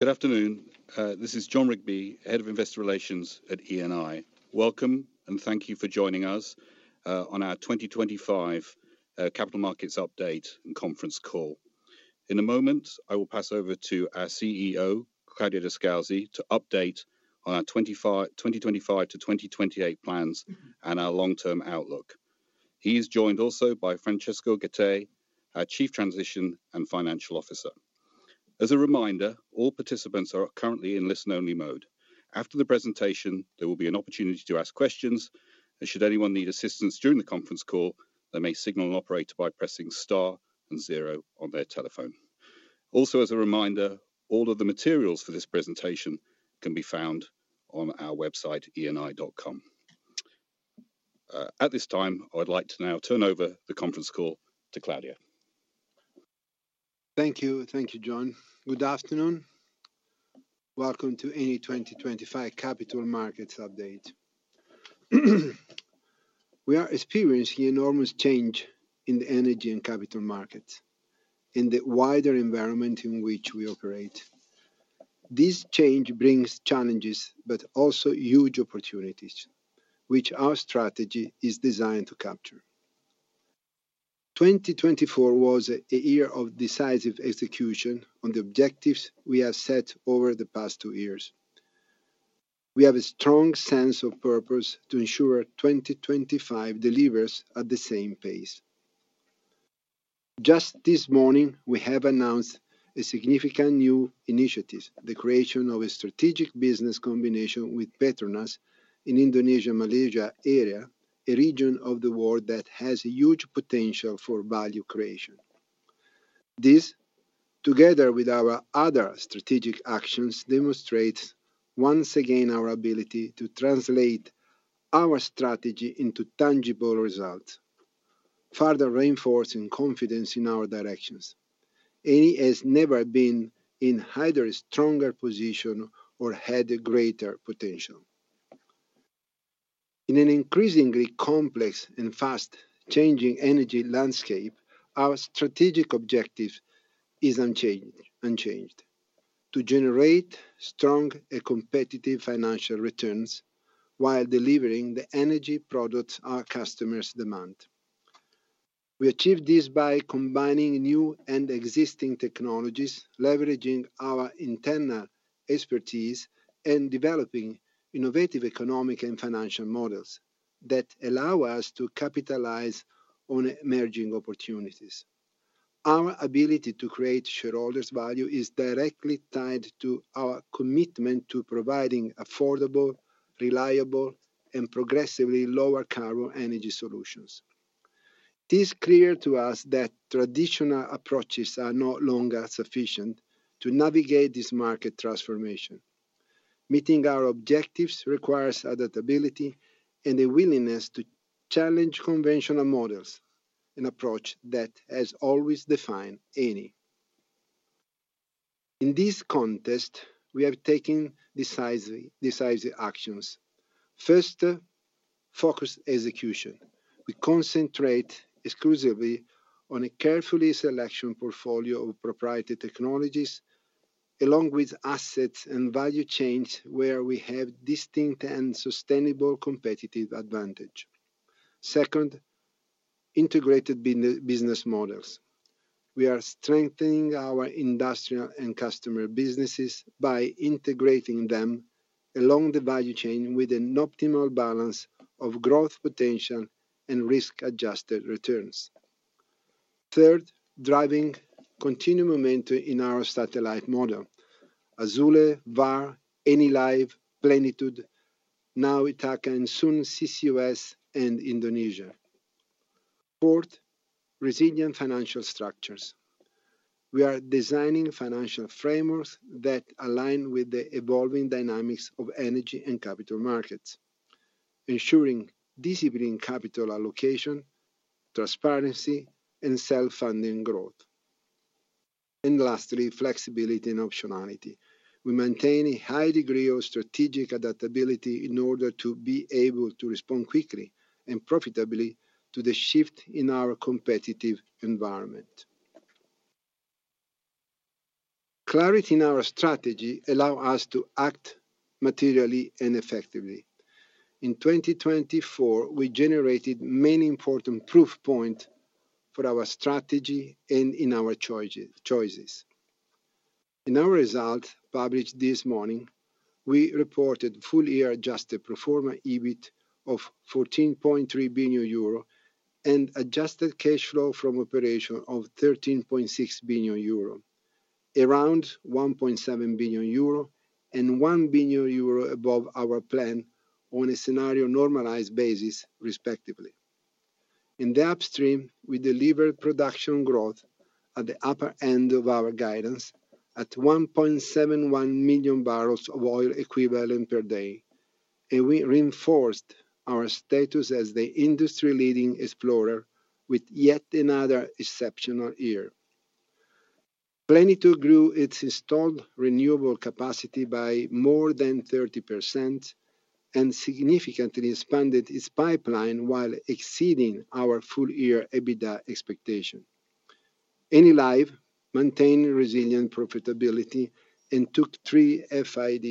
Good afternoon. This is Jon Rigby, Head of Investor Relations at Eni. Welcome, and thank you for joining us on our 2025 Capital Markets Update and Conference Call. In a moment, I will pass over to our CEO, Claudio Descalzi, to update on our 2025-2028 plans and our long-term outlook. He is joined also by Francesco Gattei, our Chief Transition and Financial Officer. As a reminder, all participants are currently in listen-only mode. After the presentation, there will be an opportunity to ask questions, and should anyone need assistance during the conference call, they may signal an operator by pressing star and zero on their telephone. Also, as a reminder, all of the materials for this presentation can be found on our website, eni.com. At this time, I would like to now turn over the conference call to Claudio. Thank you. Thank you, Jon. Good afternoon. Welcome to Eni's 2025 Capital Markets Update. We are experiencing enormous change in the energy and capital markets, in the wider environment in which we operate. This change brings challenges, but also huge opportunities, which our strategy is designed to capture. 2024 was a year of decisive execution on the objectives we have set over the past two years. We have a strong sense of purpose to ensure 2025 delivers at the same pace. Just this morning, we have announced a significant new initiative: the creation of a strategic business combination with Petronas in the Indonesia-Malaysia area, a region of the world that has huge potential for value creation. This, together with our other strategic actions, demonstrates once again our ability to translate our strategy into tangible results, further reinforcing confidence in our directions. Eni has never been in either a stronger position or had a greater potential. In an increasingly complex and fast-changing energy landscape, our strategic objective is unchanged: to generate strong and competitive financial returns while delivering the energy products our customers demand. We achieve this by combining new and existing technologies, leveraging our internal expertise, and developing innovative economic and financial models that allow us to capitalize on emerging opportunities. Our ability to create shareholders' value is directly tied to our commitment to providing affordable, reliable, and progressively lower-carbon energy solutions. It is clear to us that traditional approaches are no longer sufficient to navigate this market transformation. Meeting our objectives requires adaptability and a willingness to challenge conventional models, an approach that has always defined Eni. In this context, we have taken decisive actions. First, Focused Execution. We concentrate exclusively on a carefully selected portfolio of proprietary technologies, along with assets and value chains where we have distinct and sustainable competitive advantage. Second, Integrated Business Models. We are strengthening our industrial and customer businesses by integrating them along the value chain with an optimal balance of growth potential and risk-adjusted returns. Third, driving continued momentum in our Satellite model, Azule, Vår, Enilive, Plenitude, now Ithaca, and soon CCUS and Indonesia. Fourth, Resilient Financial Structures. We are designing financial frameworks that align with the evolving dynamics of energy and capital markets, ensuring disciplined capital allocation, transparency, and self-funding growth. And lastly, Flexibility and Optionality. We maintain a high degree of strategic adaptability in order to be able to respond quickly and profitably to the shift in our competitive environment. Clarity in our strategy allows us to act materially and effectively. In 2024, we generated many important proof points for our strategy and in our choices. In our results published this morning, we reported full-year adjusted pro forma EBIT of 14.3 billion euro and adjusted cash flow from operations of 13.6 billion euro, around 1.7 billion euro and 1 billion euro above our plan on a scenario normalized basis, respectively. In the Upstream, we delivered production growth at the upper end of our guidance at 1.71 million barrels of oil equivalent per day, and we reinforced our status as the industry-leading explorer with yet another exceptional year. Plenitude grew its installed renewable capacity by more than 30% and significantly expanded its pipeline while exceeding our full-year EBITDA expectation. Enilive maintained resilient profitability and took three FID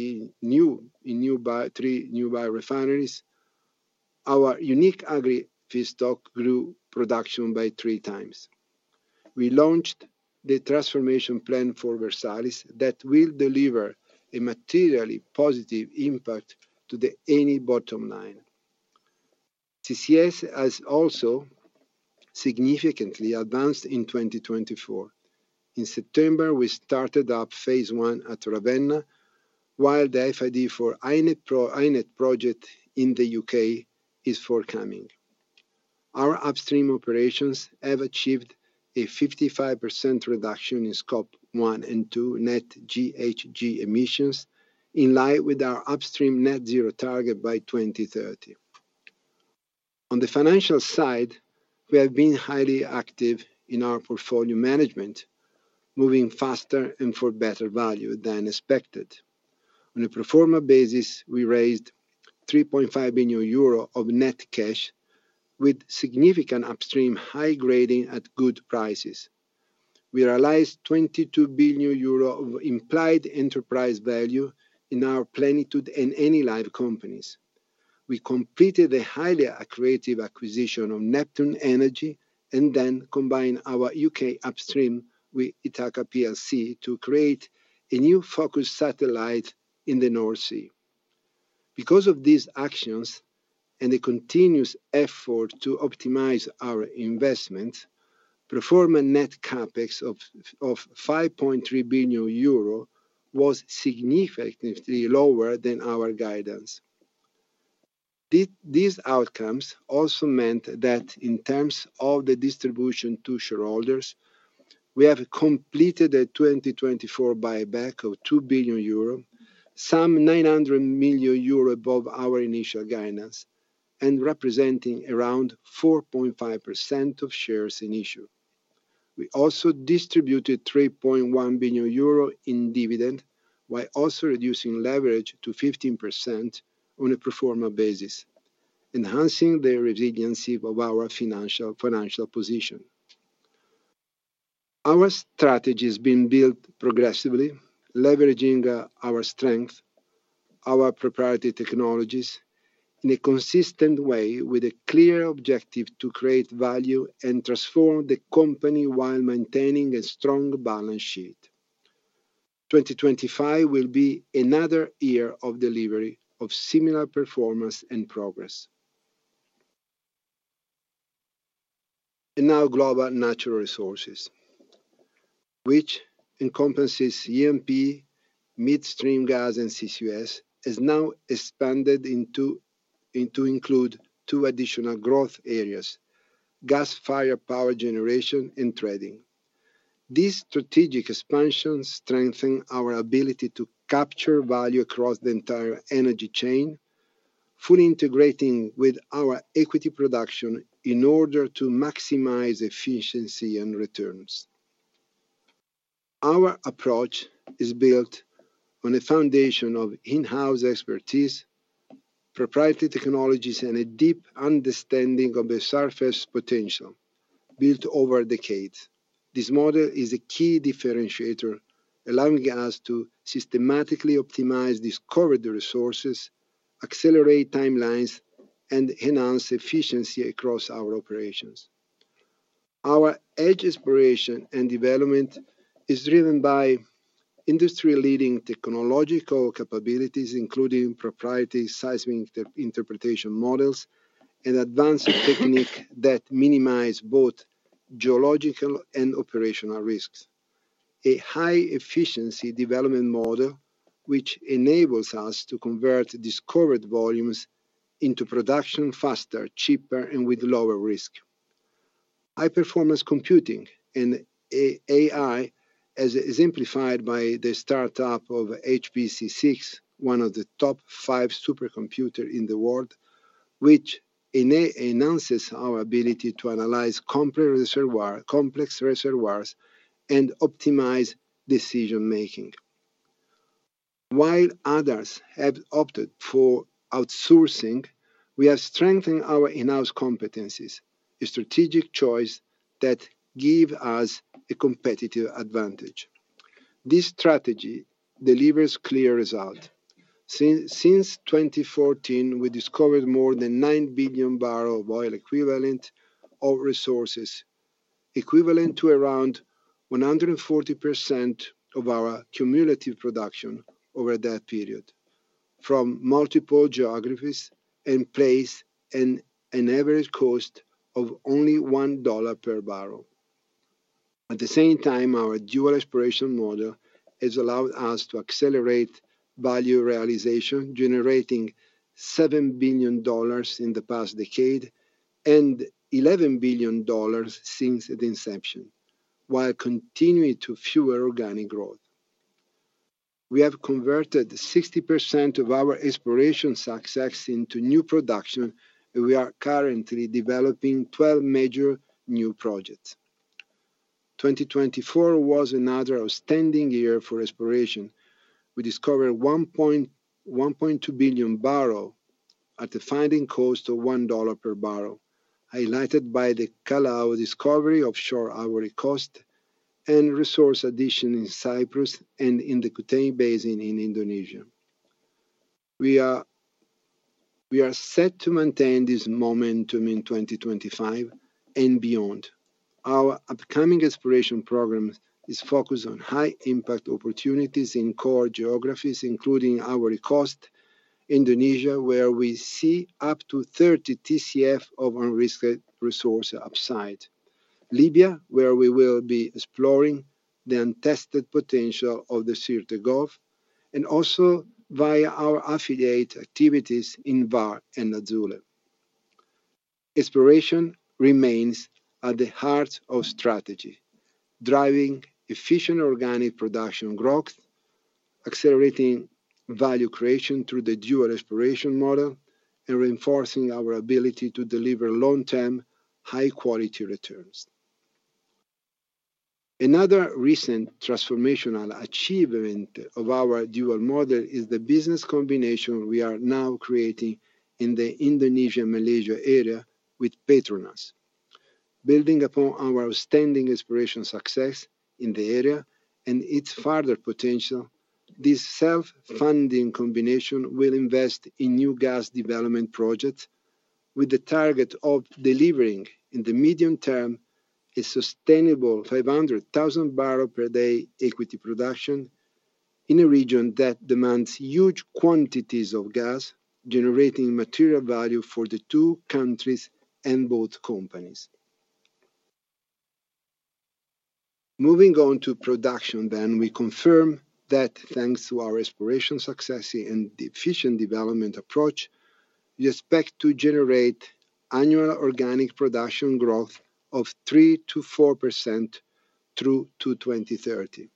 on three new biorefineries. Our unique agri-feedstock grew production by three times. We launched the transformation plan for Versalis that will deliver a materially positive impact to the Eni bottom line. CCS has also significantly advanced in 2024. In September, we started up phase I at Ravenna, while the FID for HyNet project in the UK is forthcoming. Our Upstream operations have achieved a 55% reduction in scope one and two net GHG emissions, in line with our Upstream net zero target by 2030. On the financial side, we have been highly active in our portfolio management, moving faster and for better value than expected. On a pro forma basis, we raised 3.5 billion euro of net cash with significant upstream high grading at good prices. We realized 22 billion euro of implied enterprise value in our Plenitude and Enilive companies. We completed a highly accurate acquisition of Neptune Energy and then combined our UK upstream with Ithaca Energy to create a new focused satellite in the North Sea. Because of these actions and the continuous effort to optimize our investments, pro forma net CapEx of 5.3 billion euro was significantly lower than our guidance. These outcomes also meant that in terms of the distribution to shareholders, we have completed a 2024 buyback of 2 billion euro, some 900 million euro above our initial guidance, and representing around 4.5% of shares in issue. We also distributed 3.1 billion euro in dividend, while also reducing leverage to 15% on a pro forma basis, enhancing the resiliency of our financial position. Our strategy has been built progressively, leveraging our strength, our proprietary technologies in a consistent way, with a clear objective to create value and transform the company while maintaining a strong balance sheet. 2025 will be another year of delivery of similar performance and progress. And now, Global Natural Resources, which encompasses E&P, midstream gas, and CCUS, has now expanded to include two additional growth areas: gas-fired power generation, and trading. This strategic expansion strengthens our ability to capture value across the entire energy chain, fully integrating with our equity production in order to maximize efficiency and returns. Our approach is built on a foundation of in-house expertise, proprietary technologies, and a deep understanding of the subsurface potential built over decades. This model is a key differentiator, allowing us to systematically optimize discovered resources, accelerate timelines, and enhance efficiency across our operations. Our upstream exploration and development is driven by industry-leading technological capabilities, including proprietary seismic interpretation models and advanced techniques that minimize both geological and operational risks. A high-efficiency development model which enables us to convert discovered volumes into production faster, cheaper, and with lower risk. High-performance computing and AI, as exemplified by the startup of HPC6, one of the top five supercomputers in the world, which enhances our ability to analyze complex reservoirs and optimize decision-making. While others have opted for outsourcing, we have strengthened our in-house competencies, a strategic choice that gives us a competitive advantage. This strategy delivers clear results. Since 2014, we discovered more than 9 billion of oil equivalent of resources, equivalent to around 140% of our cumulative production over that period, from multiple geographies and places, and an average cost of only $1 per barrel. At the same time, our dual exploration model has allowed us to accelerate value realization, generating $7 billion in the past decade and $11 billion since the inception, while continuing to fuel organic growth. We have converted 60% of our exploration success into new production, and we are currently developing 12 major new projects. 2024 was another outstanding year for exploration. We discovered 1.2 billion barrels at a finding cost of $1 per barrel, highlighted by the Calao discovery offshore Ivory Coast and resource addition in Cyprus and in the Kutei Basin in Indonesia. We are set to maintain this momentum in 2025 and beyond. Our upcoming exploration program is focused on high-impact opportunities in core geographies, including Ivory Coast, Indonesia, where we see up to 30 TCF of unrisked resource upside, Libya, where we will be exploring the untested potential of the Sirte Gulf, and also via our affiliate activities in Vår and Azule. Exploration remains at the heart of strategy, driving efficient organic production growth, accelerating value creation through the dual exploration model, and reinforcing our ability to deliver long-term high-quality returns. Another recent transformational achievement of our Dual Model is the business combination we are now creating in the Indonesia-Malaysia area with Petronas. Building upon our outstanding exploration success in the area and its further potential, this self-funding combination will invest in new gas development projects with the target of delivering in the medium term a sustainable 500,000 barrels per day equity production in a region that demands huge quantities of gas, generating material value for the two countries and both companies. Moving on to production then, we confirm that thanks to our exploration success and efficient development approach, we expect to generate annual organic production growth of 3%-4% through to 2030,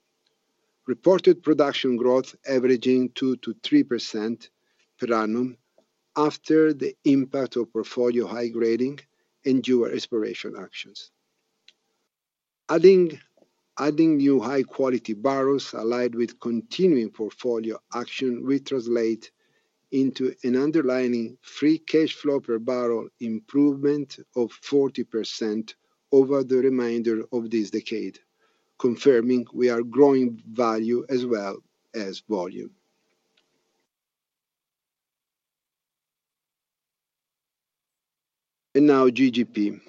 reported production growth averaging 2%-3% per annum after the impact of portfolio high grading and Dual Exploration actions. Adding new high-quality barrels aligned with continuing portfolio action will translate into an underlying free cash flow per barrel improvement of 40% over the remainder of this decade, confirming we are growing value as well as volume. Now GGP.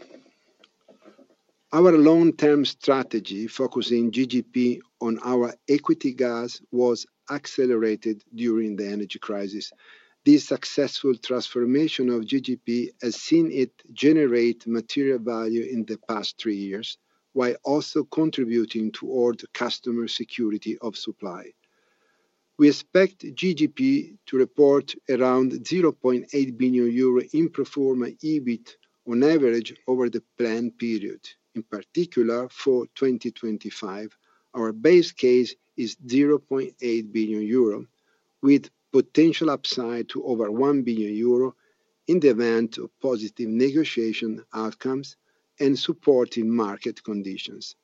Our long-term strategy focusing GGP on our equity gas was accelerated during the energy crisis. This successful transformation of GGP has seen it generate material value in the past three years, while also contributing toward customer security of supply. We expect GGP to report around 0.8 billion euro in proforma EBIT on average over the planned period. In particular, for 2025, our base case is 0.8 billion euro, with potential upside to over 1 billion euro in the event of positive negotiation outcomes and supporting market conditions.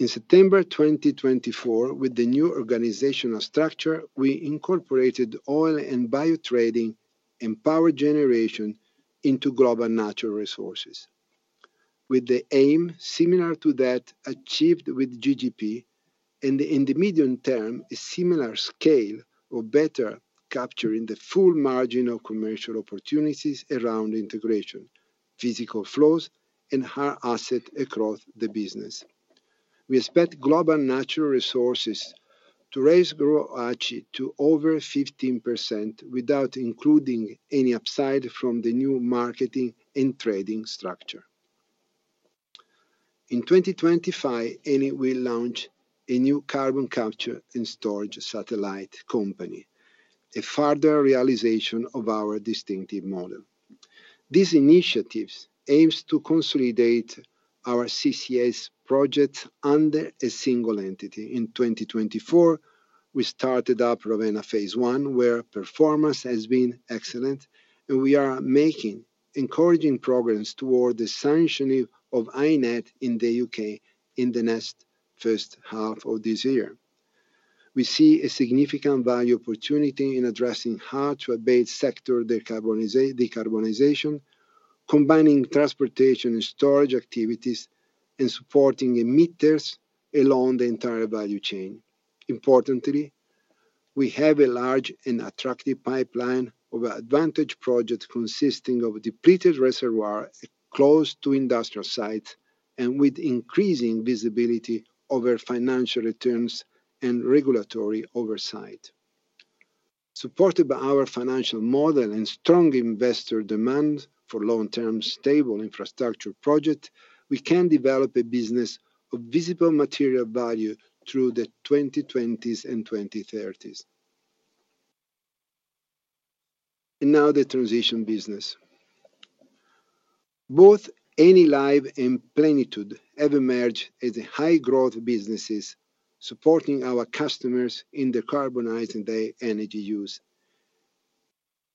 In September 2024, with the new organizational structure, we incorporated oil and biotrading and power generation into Global Natural Resources, with the aim similar to that achieved with GGP and in the medium term a similar scale of better capturing the full margin of commercial opportunities around integration, physical flows, and hard assets across the business. We expect Global Natural Resources to raise ROACE to over 15% without including any upside from the new marketing and trading structure. In 2025, Eni will launch a new carbon capture and storage satellite company, a further realization of our distinctive model. These initiatives aim to consolidate our CCS projects under a single entity. In 2024, we started up Ravenna phase I, where performance has been excellent, and we are making encouraging progress toward the sanctioning of HyNet in the UK in the next first half of this year. We see a significant value opportunity in addressing how to abate sector decarbonization, combining transportation and storage activities, and supporting emitters along the entire value chain. Importantly, we have a large and attractive pipeline of advantage projects consisting of depleted reservoirs close to industrial sites and with increasing visibility over financial returns and regulatory oversight. Supported by our financial model and strong investor demand for long-term stable infrastructure projects, we can develop a business of visible material value through the 2020s and 2030s. And now the transition business. Both Enilive and Plenitude have emerged as high-growth businesses supporting our customers in decarbonizing their energy use.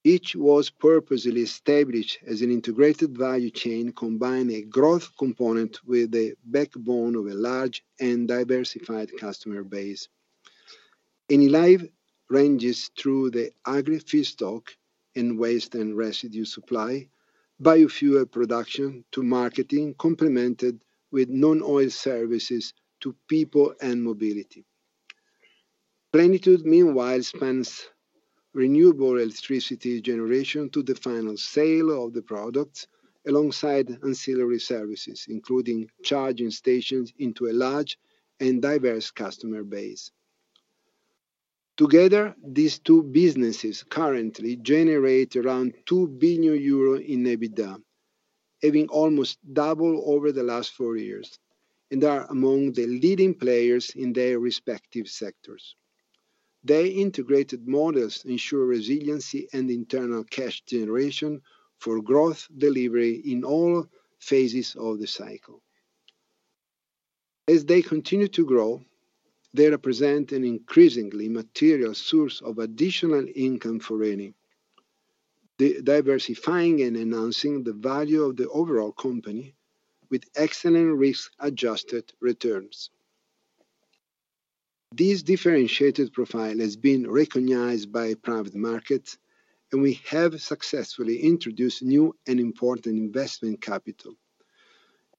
Each was purposely established as an integrated value chain, combining a growth component with the backbone of a large and diversified customer base. Enilive ranges through the agri-feedstock and waste and residue supply, biofuel production to marketing, complemented with non-oil services to people and mobility. Plenitude, meanwhile, spans renewable electricity generation to the final sale of the products alongside ancillary services, including charging stations into a large and diverse customer base. Together, these two businesses currently generate around 2 billion euro in EBITDA, having almost doubled over the last four years, and are among the leading players in their respective sectors. Their integrated models ensure resiliency and internal cash generation for growth delivery in all phases of the cycle. As they continue to grow, they represent an increasingly material source of additional income for Eni, diversifying and enhancing the value of the overall company with excellent risk-adjusted returns. This differentiated profile has been recognized by private markets, and we have successfully introduced new and important investment capital.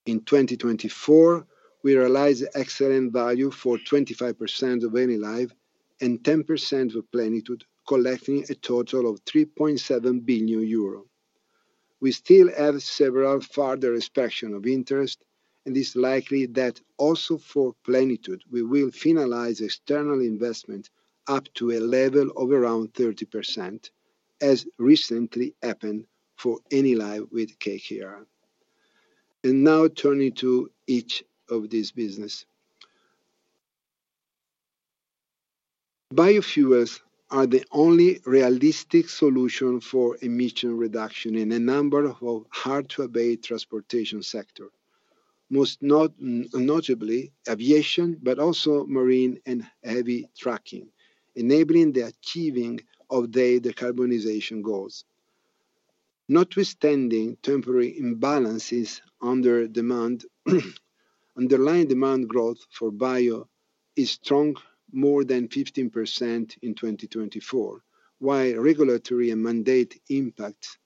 In 2024, we realized excellent value for 25% of Enilive and 10% of Plenitude, collecting a total of 3.7 billion euro. We still have several further transactions of interest, and it's likely that also for Plenitude, we will finalize external investment up to a level of around 30%, as recently happened for Enilive with KKR. And now turning to each of these businesses. Biofuels are the only realistic solution for emission reduction in a number of hard-to-abate transportation sectors, most notably aviation, but also marine and heavy trucking, enabling the achieving of their decarbonization goals. Notwithstanding temporary imbalances in demand, underlying demand growth for biofuels is strong more than 15% in 2024, while regulatory and mandate impacts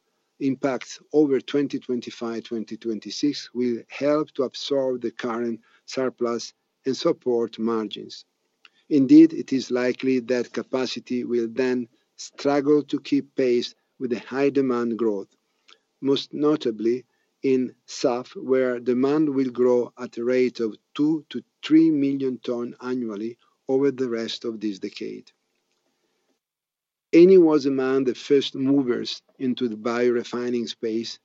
over 2025-2026 will help to absorb the current surplus and support margins. Indeed, it is likely that capacity will then struggle to keep pace with the high demand growth, most notably in SAF, where demand will grow at a rate of 2 million-3 million tons annually over the rest of this decade. Eni was among the first movers into the biorefining space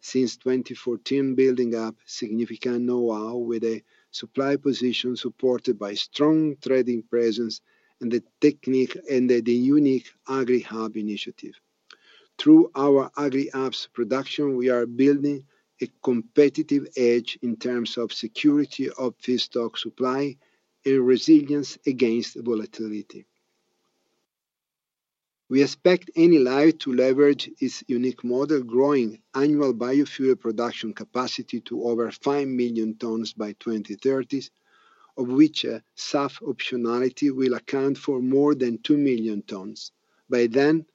since 2014, building up significant know-how with a supply position supported by strong trading presence and the technical and the unique Agri Hub initiative. Through our Agri Hubs production, we are building a competitive edge in terms of security of feedstock supply and resilience against volatility. We expect Enilive to leverage its unique model, growing annual biofuel production capacity to over 5 million tons by 2030, of which SAF optionality will account for more than 2 million tons. By then,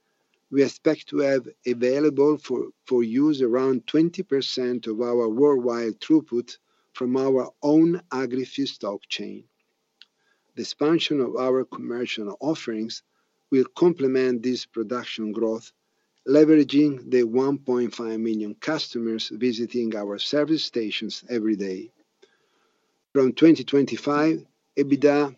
we expect to have available for use around 20% of our worldwide throughput from our own agri-feedstock chain. The expansion of our commercial offerings will complement this production growth, leveraging the 1.5 million customers visiting our service stations every day. From 2025, EBITDA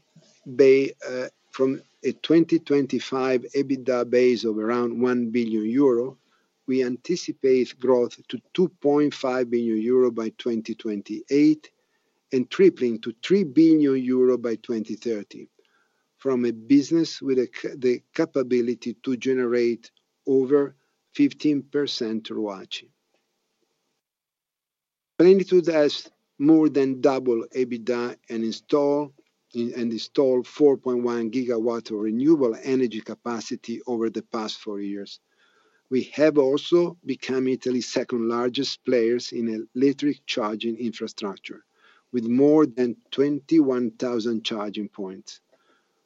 base of around 1 billion euro, we anticipate growth to 2.5 billion euro by 2028 and tripling to 3 billion euro by 2030 from a business with the capability to generate over 15% ROACE. Plenitude has more than doubled EBITDA and installed 4.1 GW of renewable energy capacity over the past four years. We have also become Italy's second largest player in electric charging infrastructure with more than 21,000 charging points.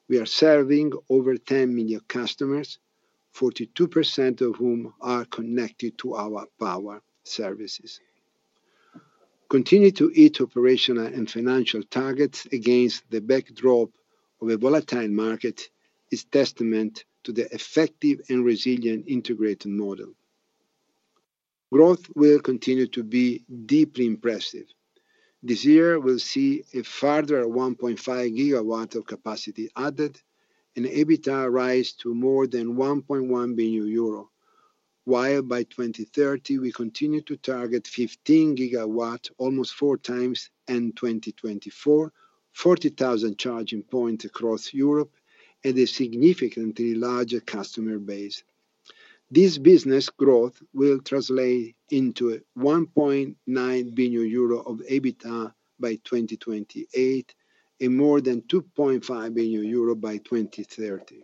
We are serving over 10 million customers, 42% of whom are connected to our power services. Continue to hit operational and financial targets against the backdrop of a volatile market is a testament to the effective and resilient integrated model. Growth will continue to be deeply impressive. This year, we'll see a further 1.5 gigawatts of capacity added and EBITDA rise to more than 1.1 billion euro, while by 2030, we continue to target 15 gigawatts, almost four times in 2024, 40,000 charging points across Europe and a significantly larger customer base. This business growth will translate into 1.9 billion euro of EBITDA by 2028 and more than 2.5 billion euro by 2030.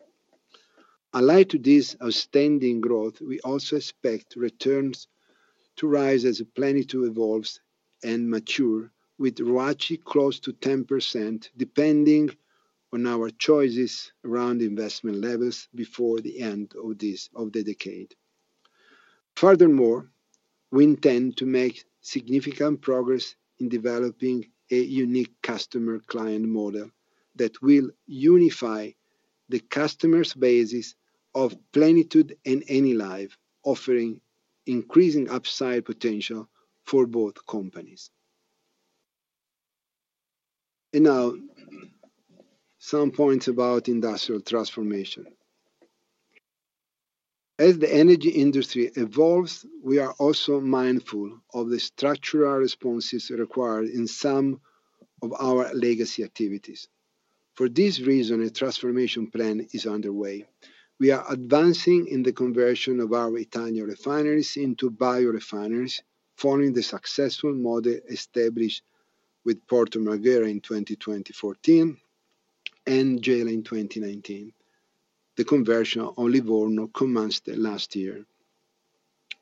Allied to this outstanding growth, we also expect returns to rise as Plenitude evolves and matures, with ROACE close to 10%, depending on our choices around investment levels before the end of the decade. Furthermore, we intend to make significant progress in developing a unique customer-client model that will unify the customer's basis of Plenitude and Enilive, offering increasing upside potential for both companies. Now some points about industrial transformation. As the energy industry evolves, we are also mindful of the structural responses required in some of our legacy activities. For this reason, a transformation plan is underway. We are advancing in the conversion of our existing refineries into biorefineries, following the successful model established with Porto Marghera in 2014 and Gela in 2019. The conversion of Livorno commenced last year.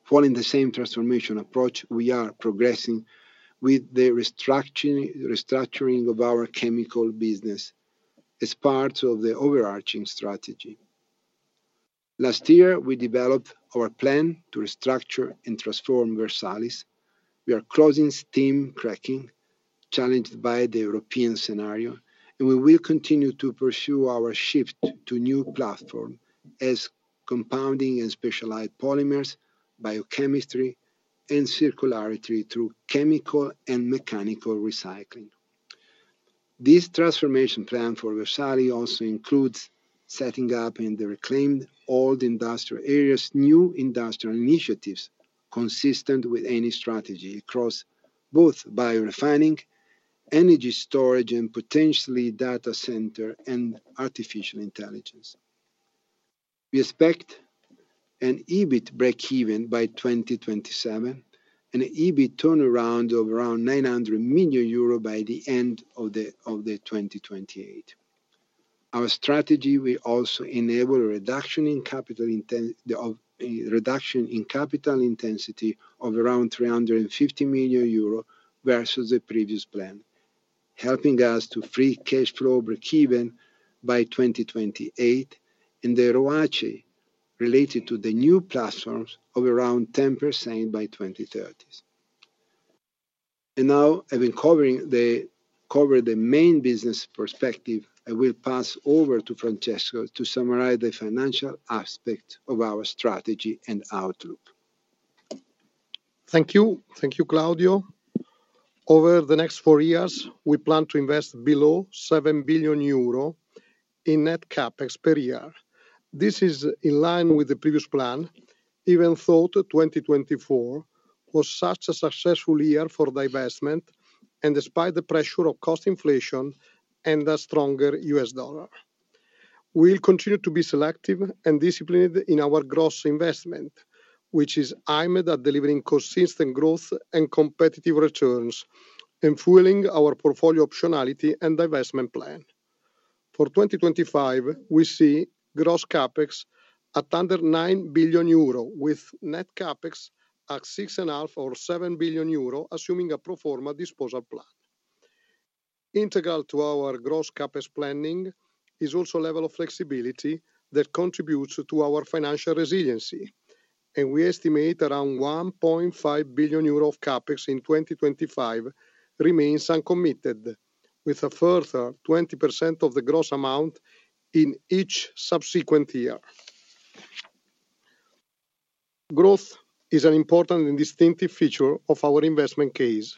Following the same transformation approach, we are progressing with the restructuring of our chemical business as part of the overarching strategy. Last year, we developed our plan to restructure and transform Versalis. We are closing steam cracking, challenged by the European scenario, and we will continue to pursue our shift to new platforms as compounding and specialized polymers, biochemistry, and circularity through chemical and mechanical recycling. This transformation plan for Versalis also includes setting up in the reclaimed old industrial areas new industrial initiatives consistent with Eni strategy across both biorefining, energy storage, and potentially data center and artificial intelligence. We expect an EBIT break-even by 2027, an EBIT turnaround of around €900 million by the end of 2028. Our strategy will also enable a reduction in capital intensity of around €350 million versus the previous plan, helping us to free cash flow break-even by 2028, and the ROACE related to the new platforms of around 10% by 2030. And now, having covered the main business perspective, I will pass over to Francesco to summarize the financial aspects of our strategy and outlook. Thank you. Thank you, Claudio. Over the next four years, we plan to invest below 7 billion euro in net capex per year. This is in line with the previous plan, even though 2024 was such a successful year for divestment and despite the pressure of cost inflation and a stronger U.S. dollar. We will continue to be selective and disciplined in our gross investment, which is aimed at delivering consistent growth and competitive returns and fueling our portfolio optionality and divestment plan. For 2025, we see gross capex at under 9 billion euro, with net capex at 6.5 billion or 7 billion euro, assuming a pro forma disposal plan. Integral to our gross CapEx planning is also a level of flexibility that contributes to our financial resiliency, and we estimate around €1.5 billion of CapEx in 2025 remains uncommitted, with a further 20% of the gross amount in each subsequent year. Growth is an important and distinctive feature of our investment case.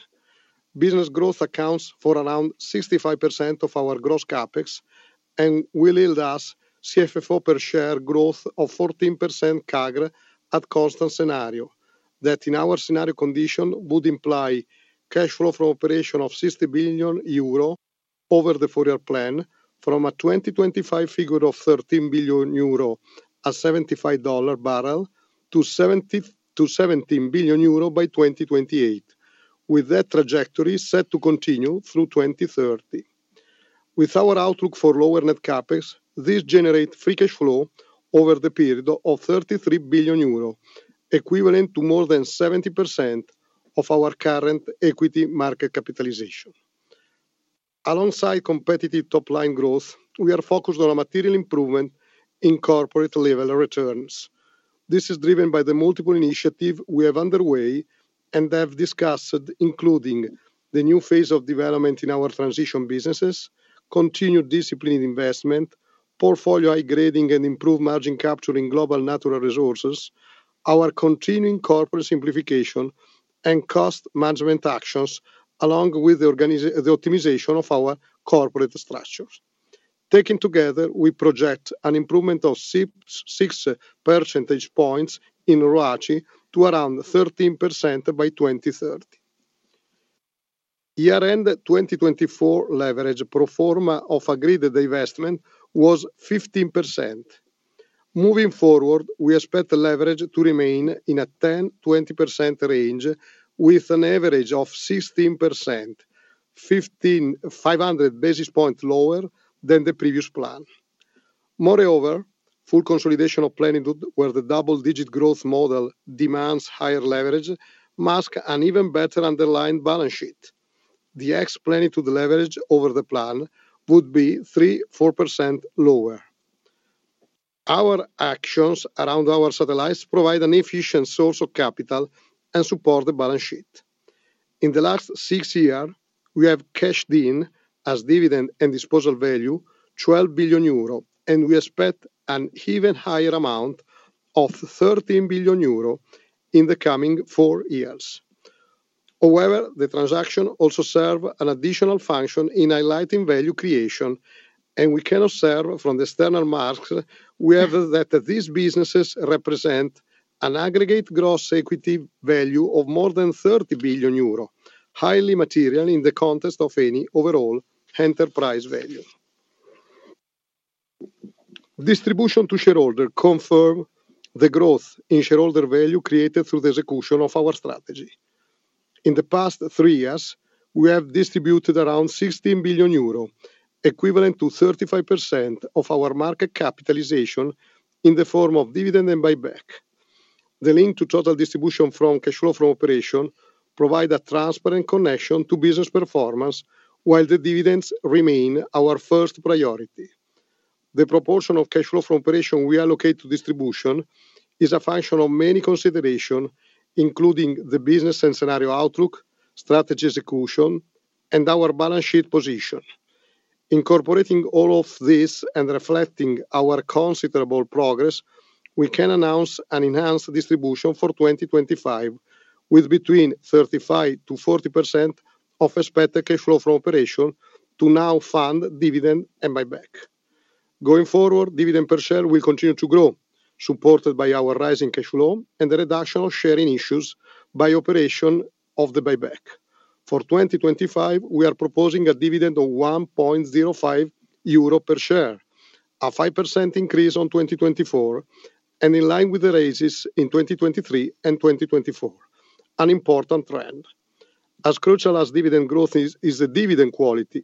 Business growth accounts for around 65% of our gross CapEx, and will yield us CFFO per share growth of 14% CAGR at constant scenario that, in our scenario condition, would imply cash flow for operation of €60 billion over the four-year plan from a 2025 figure of 13 billion euro at $75 barrel to 17 billion euro by 2028, with that trajectory set to continue through 2030. With our outlook for lower net CapEx, this generates free cash flow over the period of 33 billion euro, equivalent to more than 70% of our current equity market capitalization. Alongside competitive top-line growth, we are focused on material improvement in corporate level returns. This is driven by the multiple initiatives we have underway and have discussed, including the new phase of development in our transition businesses, continued disciplined investment, portfolio high grading, and improved margin capture in global natural resources, our continuing corporate simplification, and cost management actions, along with the optimization of our corporate structures. Taken together, we project an improvement of 6 percentage points in ROACEto around 13% by 2030. Year-end 2024 leverage pro forma of agreed divestment was 15%. Moving forward, we expect the leverage to remain in a 10%-20% range with an average of 16%, 500 basis points lower than the previous plan. Moreover, full consolidation of Plenitude, where the double-digit growth model demands higher leverage, masks an even better underlying balance sheet. The ex-Plenitude leverage over the plan would be 3%-4% lower. Our actions around our satellites provide an efficient source of capital and support the balance sheet. In the last six years, we have cashed in as dividend and disposal value 12 billion euro, and we expect an even higher amount of 13 billion euro in the coming four years. However, the transaction also serves an additional function in highlighting value creation, and we can observe from the external marks that these businesses represent an aggregate gross equity value of more than 30 billion euro, highly material in the context of any overall enterprise value. Distribution to shareholders confirms the growth in shareholder value created through the execution of our strategy. In the past three years, we have distributed around 16 billion euro, equivalent to 35% of our market capitalization in the form of dividend and buyback. The link to total distribution from cash flow from operations provides a transparent connection to business performance, while the dividends remain our first priority. The proportion of cash flow from operations we allocate to distribution is a function of many considerations, including the business and scenario outlook, strategy execution, and our balance sheet position. Incorporating all of this and reflecting our considerable progress, we can announce an enhanced distribution for 2025 with between 35%-40% of expected cash flow from operations to now fund dividend and buyback. Going forward, dividend per share will continue to grow, supported by our rising cash flow and the reduction of shares in issue by operation of the buyback. For 2025, we are proposing a dividend of 1.05 euro per share, a 5% increase on 2024, and in line with the raises in 2023 and 2024, an important trend. As crucial as dividend growth is, is the dividend quality.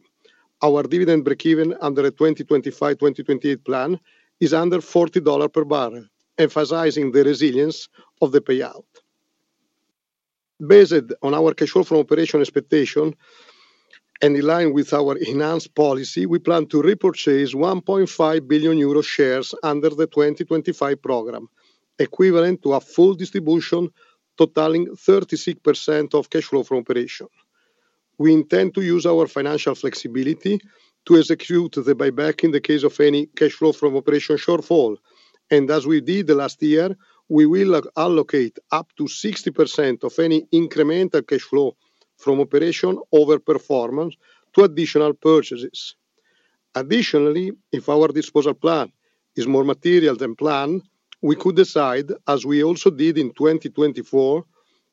Our dividend break-even under a 2025-2028 plan is under $40 per barrel, emphasizing the resilience of the payout. Based on our cash flow from operation expectation and in line with our enhanced policy, we plan to repurchase 1.5 billion euro shares under the 2025 program, equivalent to a full distribution totaling 36% of cash flow from operation. We intend to use our financial flexibility to execute the buyback in the case of any cash flow from operation shortfall, and as we did last year, we will allocate up to 60% of any incremental cash flow from operation over performance to additional purchases. Additionally, if our disposal plan is more material than planned, we could decide, as we also did in 2024,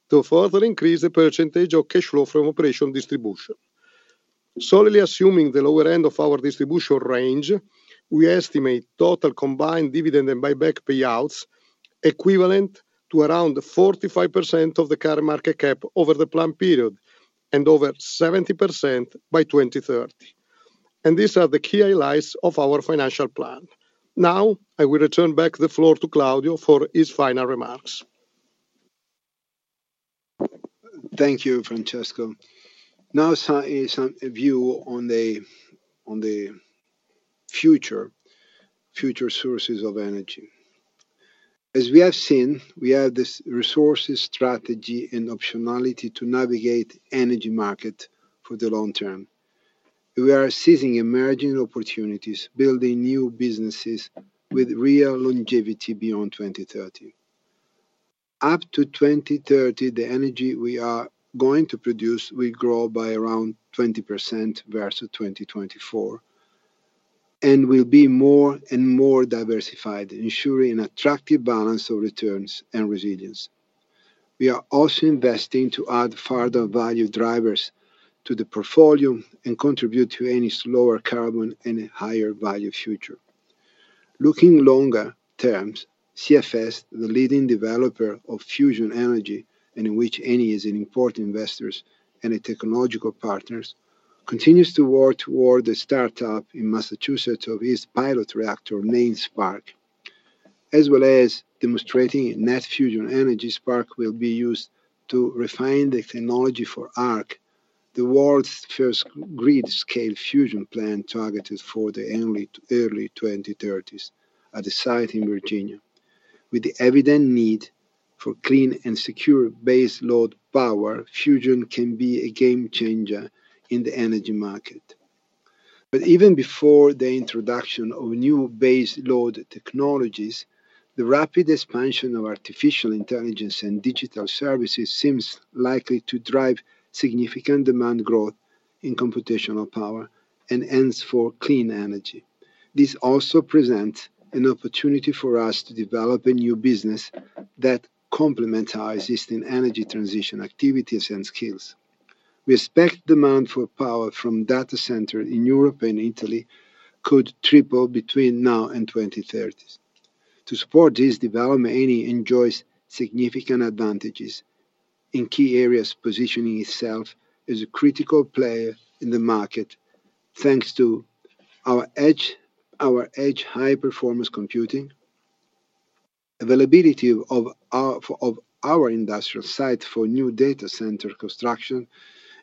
to further increase the percentage of cash flow from operation distribution. Solely assuming the lower end of our distribution range, we estimate total combined dividend and buyback payouts equivalent to around 45% of the current market cap over the planned period, and these are the key highlights of our financial plan. Now, I will return back the floor to Claudio for his final remarks. Thank you, Francesco. Now, some view on the future sources of energy. As we have seen, we have this resource strategy and optionality to navigate the energy market for the long term. We are seizing emerging opportunities, building new businesses with real longevity beyond 2030. Up to 2030, the energy we are going to produce will grow by around 20% versus 2024 and will be more and more diversified, ensuring an attractive balance of returns and resilience. We are also investing to add further value drivers to the portfolio and contribute to Eni's lower carbon and a higher value future. Looking longer terms, CFS, the leading developer of fusion energy, in which Eni is an important investor and a technological partner, continues to work toward the startup in Massachusetts of its pilot reactor, SPARC, as well as demonstrating net fusion energy. SPARC will be used to refine the technology for ARC, the world's first grid-scale fusion plant targeted for the early 2030s at a site in Virginia. With the evident need for clean and secure base load power, fusion can be a game changer in the energy market. But even before the introduction of new base load technologies, the rapid expansion of artificial intelligence and digital services seems likely to drive significant demand growth in computational power and hence for clean energy. This also presents an opportunity for us to develop a new business that complements our existing energy transition activities and skills. We expect demand for power from data centers in Europe and Italy could triple between now and 2030. To support this development, Eni enjoys significant advantages in key areas, positioning itself as a critical player in the market thanks to our edge in high performance computing. Availability of our industrial site for new data center construction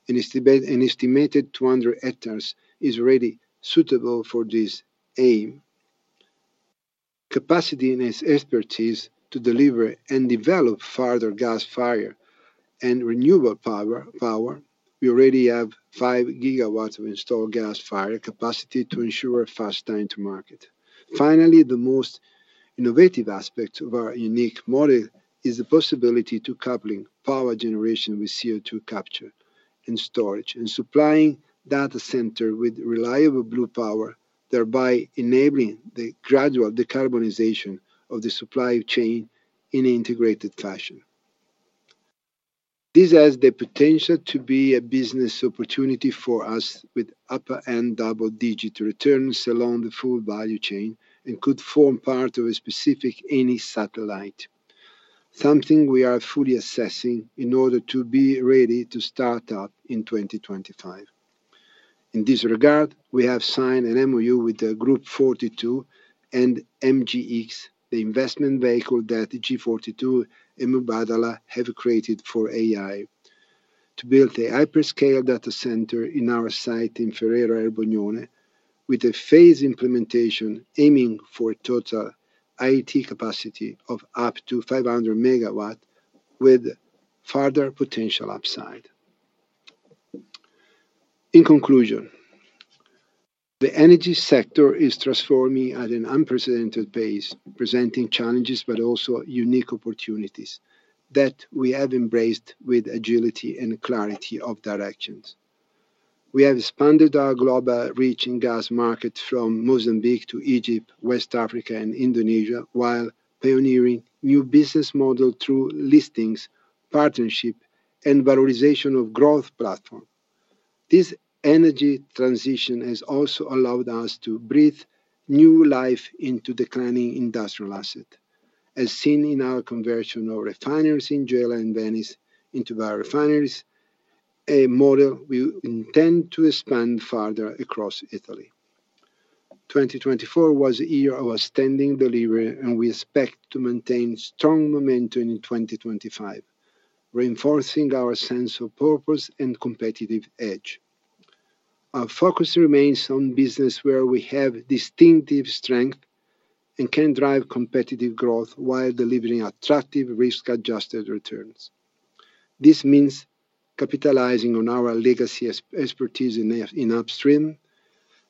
and estimated 200 hectares is already suitable for this aim. Capacity and expertise to deliver and develop further gas-fired and renewable power. We already have 5 GW of installed gas-fired capacity to ensure fast time to market. Finally, the most innovative aspect of our unique model is the possibility to couple power generation with CO2 capture and storage and supplying data centers with reliable Blue Power, thereby enabling the gradual decarbonization of the supply chain in an integrated fashion. This has the potential to be a business opportunity for us with upper-end double-digit returns along the full value chain and could form part of a specific Eni satellite, something we are fully assessing in order to be ready to start up in 2025. In this regard, we have signed an MoU with Group42 and MGX, the investment vehicle that G42 and Mubadala have created for AI to build a hyperscale data center in our site in Ferrera Erbognone, with a phased implementation aiming for a total IT capacity of up to 500 MW, with further potential upside. In conclusion, the energy sector is transforming at an unprecedented pace, presenting challenges but also unique opportunities that we have embraced with agility and clarity of direction. We have expanded our global reach in gas market from Mozambique to Egypt, West Africa, and Indonesia, while pioneering new business models through listings, partnership, and valorization of growth platforms. This energy transition has also allowed us to breathe new life into the legacy industrial asset, as seen in our conversion of refineries in Gela and Venice into biorefineries, a model we intend to expand further across Italy. 2024 was a year of outstanding delivery, and we expect to maintain strong momentum in 2025, reinforcing our sense of purpose and competitive edge. Our focus remains on business where we have distinctive strengths and can drive competitive growth while delivering attractive risk-adjusted returns. This means capitalizing on our legacy expertise in upstream,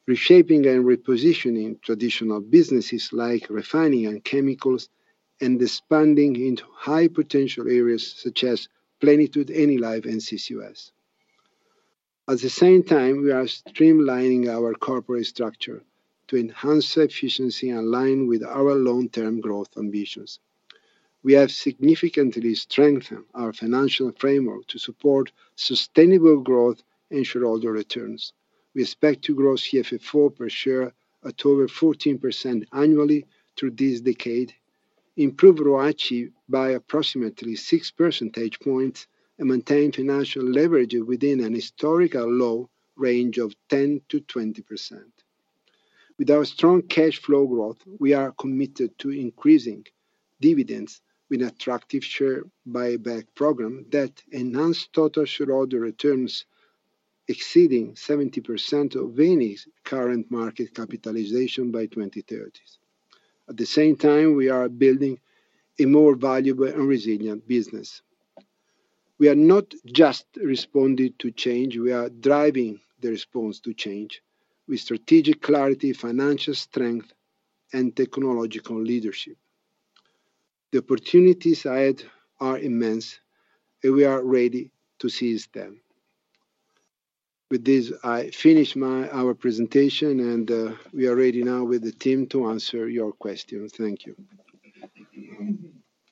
reshaping and repositioning traditional businesses like Refining and Chemicals, and expanding into high-potential areas such as Plenitude, Enilive, and CCUS. At the same time, we are streamlining our corporate structure to enhance efficiency in line with our long-term growth ambitions. We have significantly strengthened our financial framework to support sustainable growth and shareholder returns. We expect to grow CFFO per share at over 14% annually through this decade, improve ROACE by approximately 6 percentage points, and maintain financial leverage within a historical low range of 10%-20%. With our strong cash flow growth, we are committed to increasing dividends with an attractive share buyback program that enhanced total shareholder returns exceeding 70% of Eni's current market capitalization by 2030. At the same time, we are building a more valuable and resilient business. We are not just responding to change. We are driving the response to change with strategic clarity, financial strength, and technological leadership. The opportunities ahead are immense, and we are ready to seize them. With this, I finish our presentation, and we are ready now with the team to answer your questions. Thank you.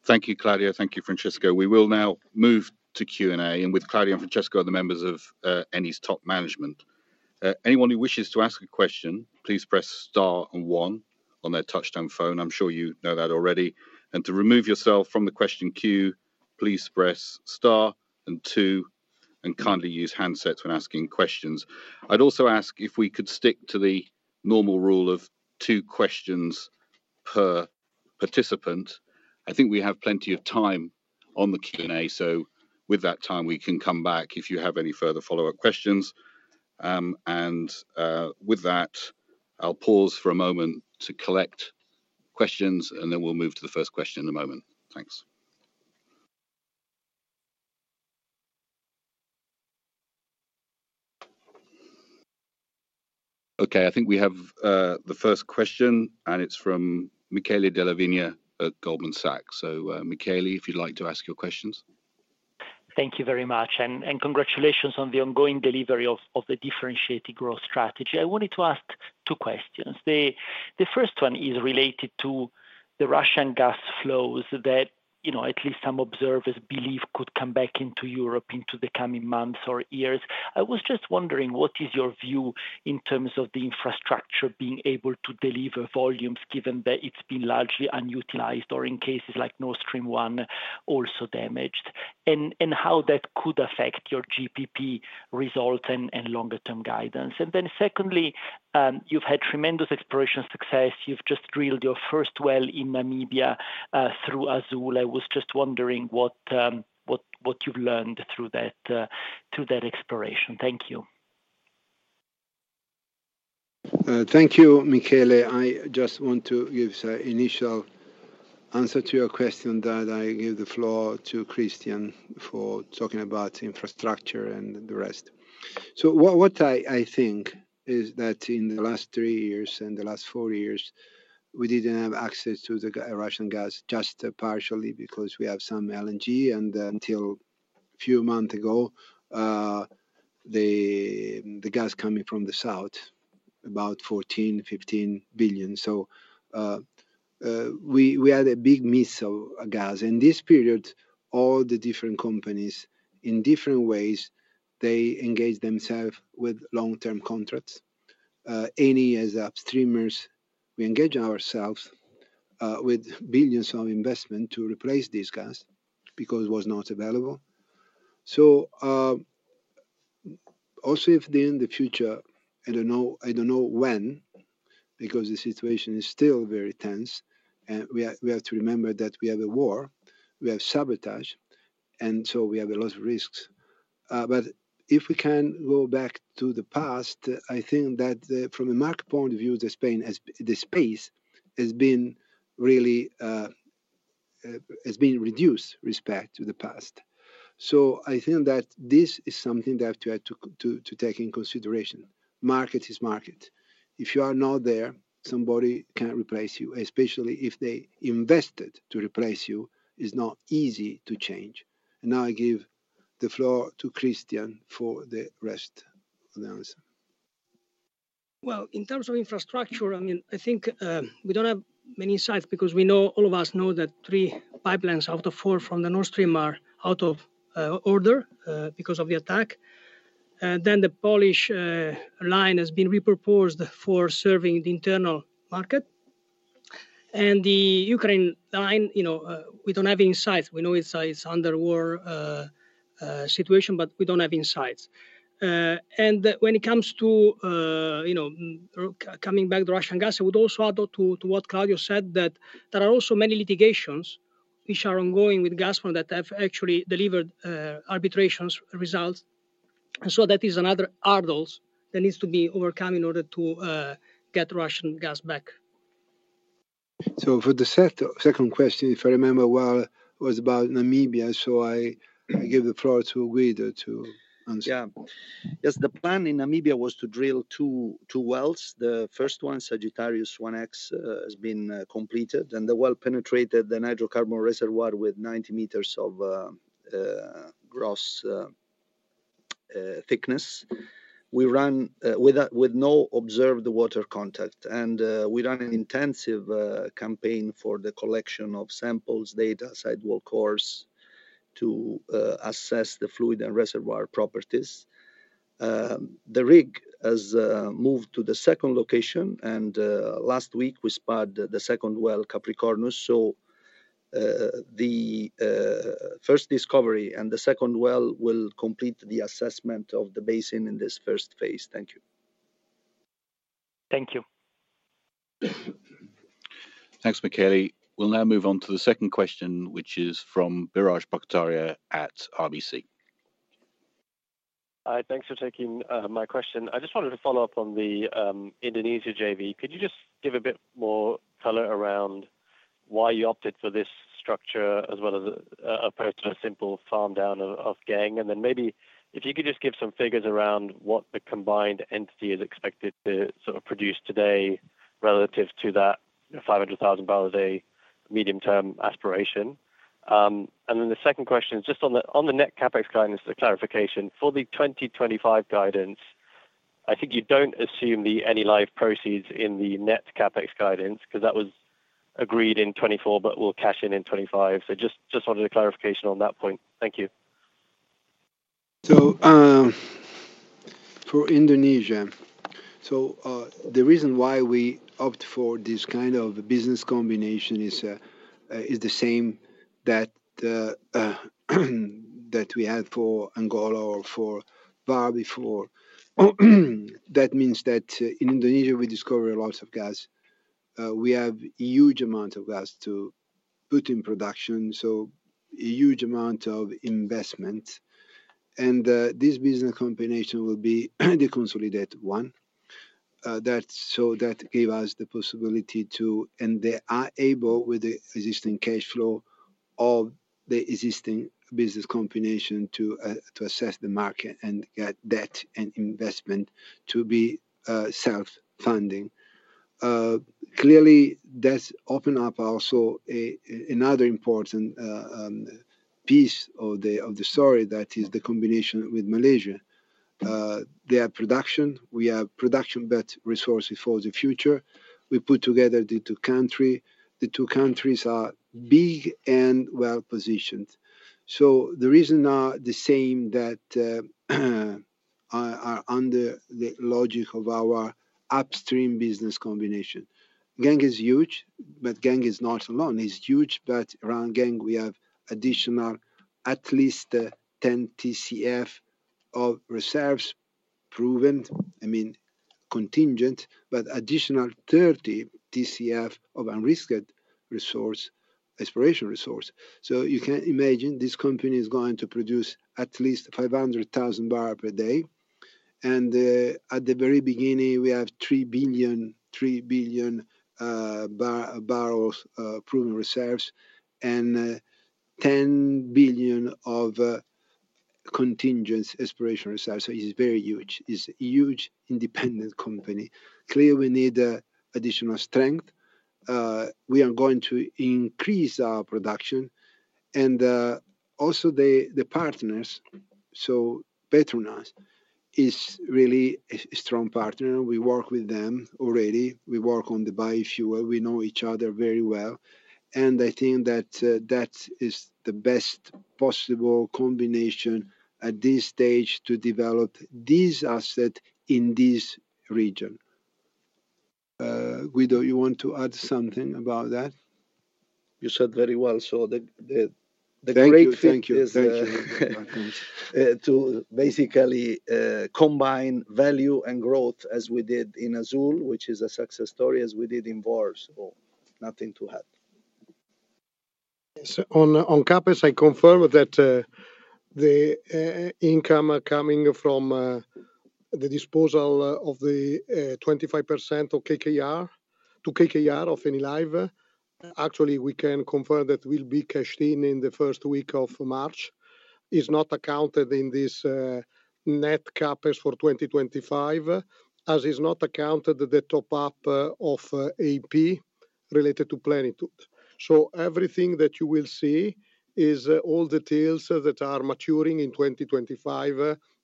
Thank you, Claudia. Thank you, Francesco. We will now move to Q&A, and with Claudia and Francesco are the members of Eni's top management. Anyone who wishes to ask a question, please press star and one on their touch-tone phone. I'm sure you know that already. And to remove yourself from the question queue, please press star and two, and kindly use handsets when asking questions. I'd also ask if we could stick to the normal rule of two questions per participant. I think we have plenty of time on the Q&A, so with that time, we can come back if you have any further follow-up questions. With that, I'll pause for a moment to collect questions, and then we'll move to the first question in a moment. Thanks. Okay, I think we have the first question, and it's from Michele Della Vigna at Goldman Sachs. So, Michele, if you'd like to ask your questions. Thank you very much, and congratulations on the ongoing delivery of the differentiated growth strategy. I wanted to ask two questions. The first one is related to the Russian gas flows that, you know, at least some observers believe could come back into Europe in the coming months or years. I was just wondering, what is your view in terms of the infrastructure being able to deliver volumes given that it's been largely unutilized, or in cases like Nord Stream 1 also damaged, and how that could affect your GGP results and longer-term guidance? And then secondly, you've had tremendous exploration success. You've just drilled your first well in Namibia through Azule. I was just wondering what you've learned through that exploration. Thank you. Thank you, Michele. I just want to give an initial answer to your question that I give the floor to Cristian for talking about infrastructure and the rest. So what I think is that in the last three years and the last four years, we didn't have access to the Russian gas just partially because we have some LNG, and until a few months ago, the gas coming from the south, about 14, 15 billion. So we had a big miss of gas. In this period, all the different companies, in different ways, they engaged themselves with long-term contracts. Eni has upstreamers. We engaged ourselves with billions of investment to replace this gas because it was not available. So also if in the future, I don't know when, because the situation is still very tense, and we have to remember that we have a war, we have sabotage, and so we have a lot of risks. But if we can go back to the past, I think that from a market point of view, the space has been really reduced with respect to the past. So I think that this is something that we have to take into consideration. Market is market. If you are not there, somebody can replace you, especially if they invested to replace you, it's not easy to change. Now I give the floor to Cristian for the rest of the answer. In terms of infrastructure, I mean, I think we don't have many insights because we know all of us know that three pipelines out of four from the Nord Stream are out of order because of the attack. The Polish line has been repurposed for serving the internal market. The Ukraine line, you know, we don't have insights. We know it is an underwater situation, but we don't have insights. When it comes to, you know, coming back to Russian gas, I would also add to what Claudio said that there are also many litigations which are ongoing with Gazprom that have actually delivered arbitrations results. That is another hurdle that needs to be overcome in order to get Russian gas back. So for the second question, if I remember well, it was about Namibia, so I give the floor to Guido to answer. Yeah. Yes, the plan in Namibia was to drill two wells. The first one, Sagittarius 1-X, has been completed, and the well penetrated the hydrocarbon reservoir with 90 m of gross thickness. We run with no observed water contact, and we run an intensive campaign for the collection of samples, data, sidewall cores to assess the fluid and reservoir properties. The rig has moved to the second location, and last week we spudded the second well, Capricornus. So the first discovery and the second well will complete the assessment of the basin in this first phase. Thank you. Thank you. Thanks, Michele. We'll now move on to the second question, which is from Biraj Borkhataria at RBC. Hi, thanks for taking my question. I just wanted to follow up on the Indonesia JV. Could you just give a bit more color around why you opted for this structure as well as a simple farm down of Geng? And then maybe if you could just give some figures around what the combined entity is expected to sort of produce today relative to that $500,000 a medium-term aspiration. And then the second question is just on the net capex guidance, the clarification for the 2025 guidance. I think you don't assume the Enilive proceeds in the net capex guidance because that was agreed in 2024, but we'll cash in in 2025. So just wanted a clarification on that point. Thank you. For Indonesia, the reason why we opt for this kind of business combination is the same that we had for Angola or for Vår before. That means that in Indonesia, we discovered lots of gas. We have a huge amount of gas to put in production, so a huge amount of investment, and this business combination will be the consolidated one. So that gave us the possibility to, and they are able with the existing cash flow of the existing business combination to assess the market and get debt and investment to be self-funding. Clearly, that's opened up also another important piece of the story that is the combination with Malaysia. They have production. We have production-based resources for the future. We put together the two countries. The two countries are big and well-positioned, so the reasons are the same that are under the logic of our upstream business combination. Geng is huge, but Geng is not alone. It's huge, but around Geng, we have additional at least 10 TCF of reserves, proven, I mean, contingent, but additional 30 TCF of unrisked resource, aspirational resource. So you can imagine this company is going to produce at least 500,000 barrels per day. And at the very beginning, we have 3 billion barrels proven reserves and 10 billion of contingent aspirational reserves. So it is very huge. It's a huge independent company. Clearly, we need additional strength. We are going to increase our production. And also the partners, so Petronas is really a strong partner. We work with them already. We work on the biofuel. We know each other very well. And I think that that is the best possible combination at this stage to develop these assets in this region. Guido, you want to add something about that? You said very well. So the great thing is to basically combine value and growth as we did in Azule, which is a success story, as we did in Vår. Nothing to add. On CapEx, I confirm that the income coming from the disposal of the 25% to KKR of Enilive, actually, we can confirm that will be cashed in in the first week of March. It's not accounted in this net CapEx for 2025, as it's not accounted the top-up of EIP related to Plenitude. So everything that you will see is all the deals that are maturing in 2025,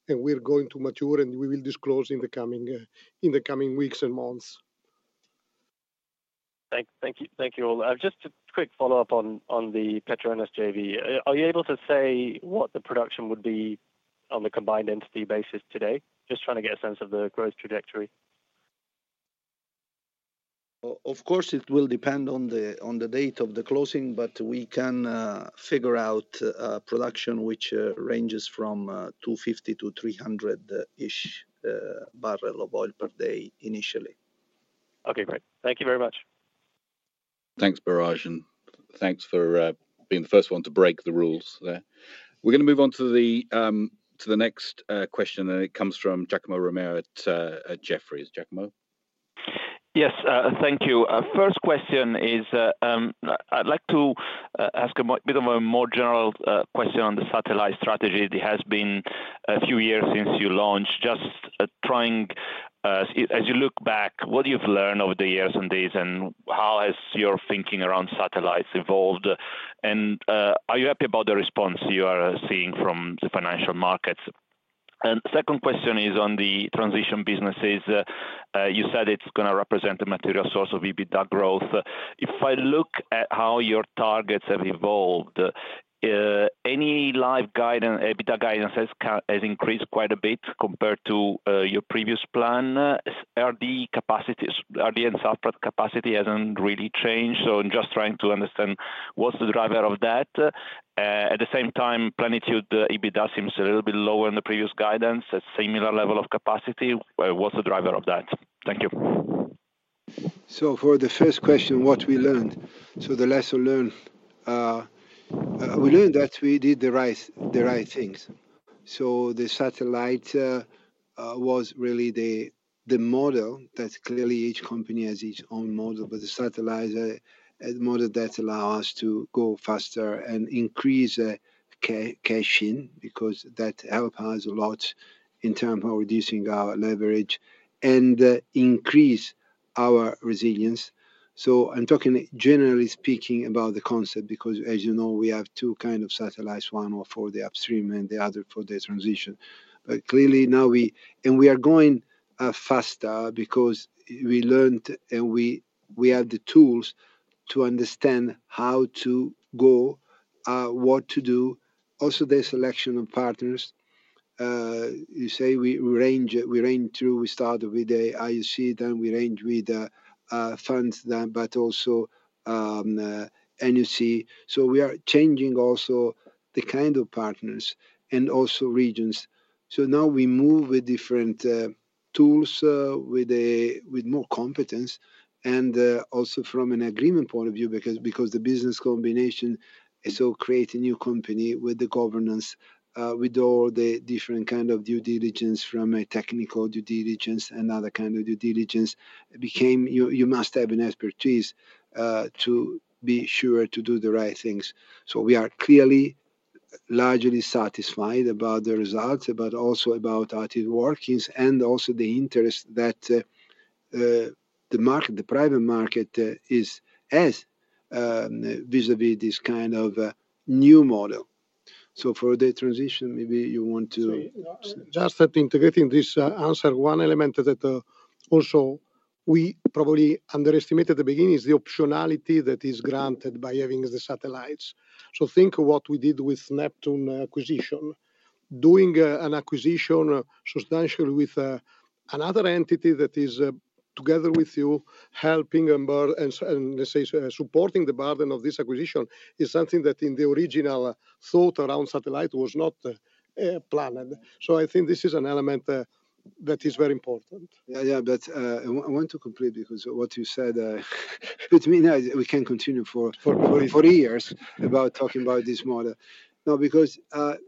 and we're going to mature, and we will disclose in the coming weeks and months. Thank you all. Just a quick follow-up on the Petronas JV. Are you able to say what the production would be on the combined entity basis today? Just trying to get a sense of the growth trajectory. Of course, it will depend on the date of the closing, but we can figure out production which ranges from 250 to 300-ish barrels of oil per day initially. Okay, great. Thank you very much. Thanks, Biraj, and thanks for being the first one to break the rules there. We're going to move on to the next question, and it comes from Giacomo Romeo at Jefferies. Giacomo? Yes, thank you. First question is I'd like to ask a bit of a more general question on the satellite strategy. It has been a few years since you launched. Just trying, as you look back, what you've learned over the years on these, and how has your thinking around satellites evolved? And are you happy about the response you are seeing from the financial markets? The second question is on the transition businesses. You said it's going to represent a material source of EBITDA growth. If I look at how your targets have evolved, Enilive guidance, EBITDA guidance has increased quite a bit compared to your previous plan. RD and SAF capacity hasn't really changed. So I'm just trying to understand what's the driver of that. At the same time, Plenitude EBITDA seems a little bit lower in the previous guidance at a similar level of capacity. What's the driver of that? Thank you. For the first question, what we learned, the lesson learned, is that we did the right things. So the satellite was really the model that clearly each company has its own model, but the satellite is a model that allows us to go faster and increase cash in because that helps us a lot in terms of reducing our leverage and increase our resilience. So I'm talking generally speaking about the concept because, as you know, we have two kinds of satellites, one for the upstream and the other for the transition. But clearly now we, and we are going faster because we learned and we have the tools to understand how to go, what to do. Also the selection of partners. You say we engaged through, we started with the IOC, then we engaged with funds, but also NOC. So we are changing also the kind of partners and also regions. So now we move with different tools with more competence and also from an agreement point of view because the business combination is so creating a new company with the governance, with all the different kinds of due diligence from a technical due diligence and other kinds of due diligence. You must have an expertise to be sure to do the right things. So we are clearly largely satisfied about the results, but also about how it works and also the interest that the market, the private market has vis-à-vis this kind of new model. So for the transition, maybe you want to. Just at integrating this answer, one element that also we probably underestimated at the beginning is the optionality that is granted by having the satellites. So think of what we did with Neptune acquisition. Doing an acquisition substantially with another entity that is together with you helping and supporting the burden of this acquisition is something that in the original thought around satellite was not planned. So I think this is an element that is very important. Yeah, yeah, but I want to complete because what you said, which means we can continue for four years about talking about this model. No, because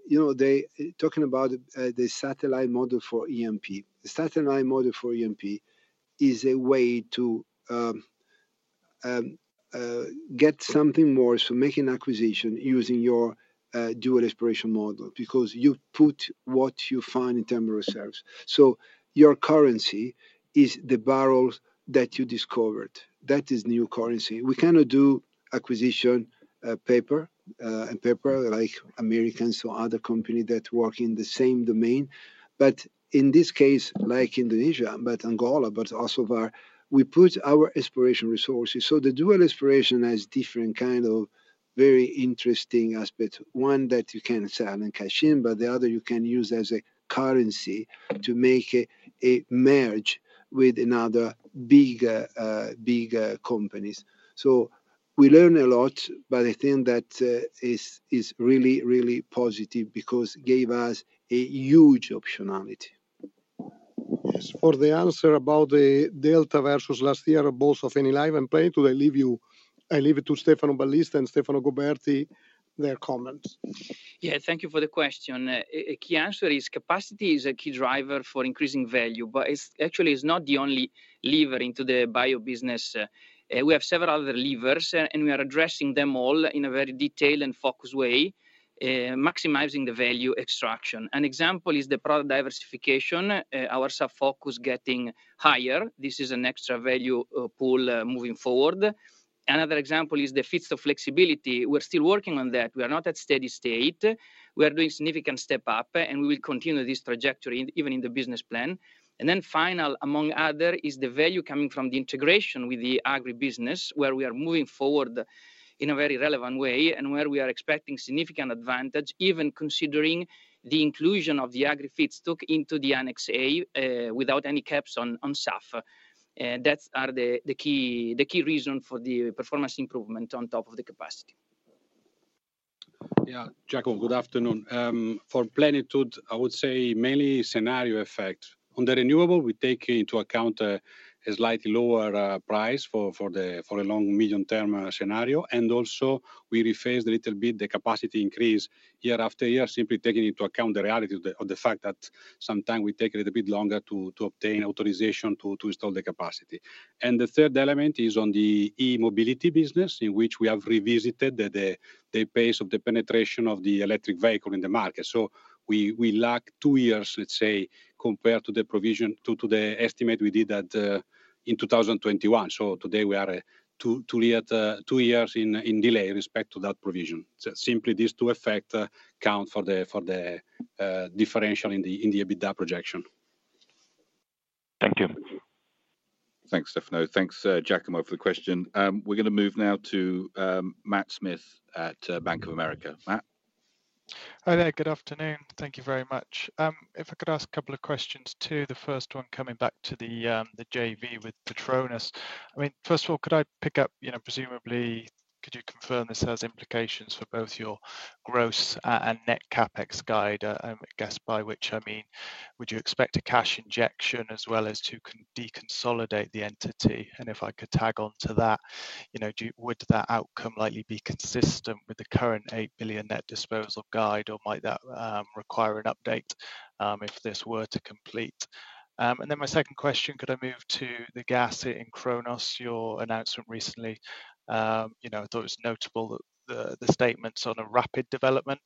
you know they talking about the satellite model for E&P. The satellite model for E&P is a way to get something more so making acquisition using your dual exploration model because you put what you find in terms of reserves. So your currency is the barrel that you discovered. That is new currency. We cannot do acquisition paper and paper like Americans or other companies that work in the same domain. But in this case, like Indonesia, but Angola, but also we put our exploration resources. So the Dual Exploration has different kinds of very interesting aspects. One that you can sell in cash and, but the other you can use as a currency to make a merger with another big companies. So we learned a lot, but I think that is really, really positive because it gave us a huge optionality. Yes, for the answer about the delta versus last year, both of Enilive and Plenitude, I leave you, I leave it to Stefano Ballista and Stefano Goberti, their comments. Yeah, thank you for the question. The key answer is capacity is a key driver for increasing value, but it's actually not the only lever into the bio business. We have several other levers, and we are addressing them all in a very detailed and focused way, maximizing the value extraction. An example is the product diversification, our sub-focus getting higher. This is an extra value pool moving forward. Another example is the fixed flexibility. We're still working on that. We are not at steady state. We are doing significant step up, and we will continue this trajectory even in the business plan. And then final, among others, is the value coming from the integration with the agri business, where we are moving forward in a very relevant way and where we are expecting significant advantage, even considering the inclusion of the agri-feedstock into the Annex A without any caps on SAF. That are the key reasons for the performance improvement on top of the capacity. Yeah, Giacomo, good afternoon. For Plenitude, I would say mainly scenario effect. On the renewables, we take into account a slightly lower price for a long medium-term scenario. And also we revise a little bit the capacity increase year after year, simply taking into account the reality of the fact that sometimes we take a little bit longer to obtain authorization to install the capacity. And the third element is on the e-mobility business, in which we have revisited the pace of the penetration of the electric vehicle in the market. So we lag two years, let's say, compared to the previous estimate we did in 2021. So today we are two years behind with respect to that previous. So simply these two effects count for the differential in the EBITDA projection. Thank you. Thanks, Stefano. Thanks, Giacomo, for the question. We're going to move now to Matt Smith at Bank of America. Matt. Hi there, good afternoon. Thank you very much. If I could ask a couple of questions too. The first one coming back to the JV with Petronas. I mean, first of all, could I pick up, presumably, could you confirm this has implications for both your gross and net CapEx guide, I guess, by which I mean, would you expect a cash injection as well as to deconsolidate the entity? And if I could tag on to that, would that outcome likely be consistent with the current 8 billion net disposal guide, or might that require an update if this were to complete? And then my second question, could I move to the gas in Cronos, your announcement recently? I thought it was notable that the statements on a rapid development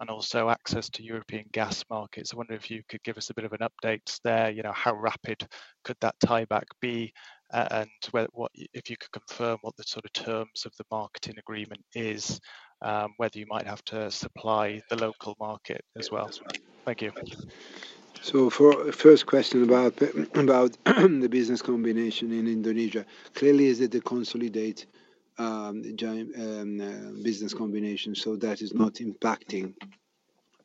and also access to European gas markets. I wonder if you could give us a bit of an update there. How rapid could that tieback be? And if you could confirm what the sort of terms of the marketing agreement is, whether you might have to supply the local market as well. Thank you. So for the first question about the business combination in Indonesia, clearly is it a consolidated business combination? So that is not impacting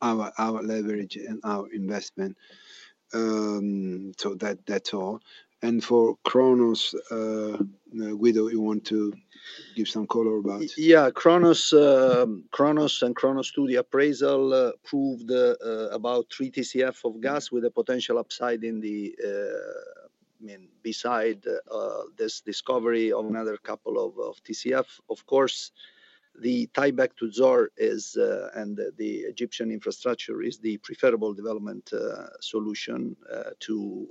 our leverage and our investment. So that's all. And for Cronos, Guido, you want to give some color about? Yeah, Cronos and Cronos-2 appraisal proved about three TCF of gas with a potential upside in the, I mean, beside this discovery of another couple of TCF. Of course, the tieback to Zohr and the Egyptian infrastructure is the preferable development solution to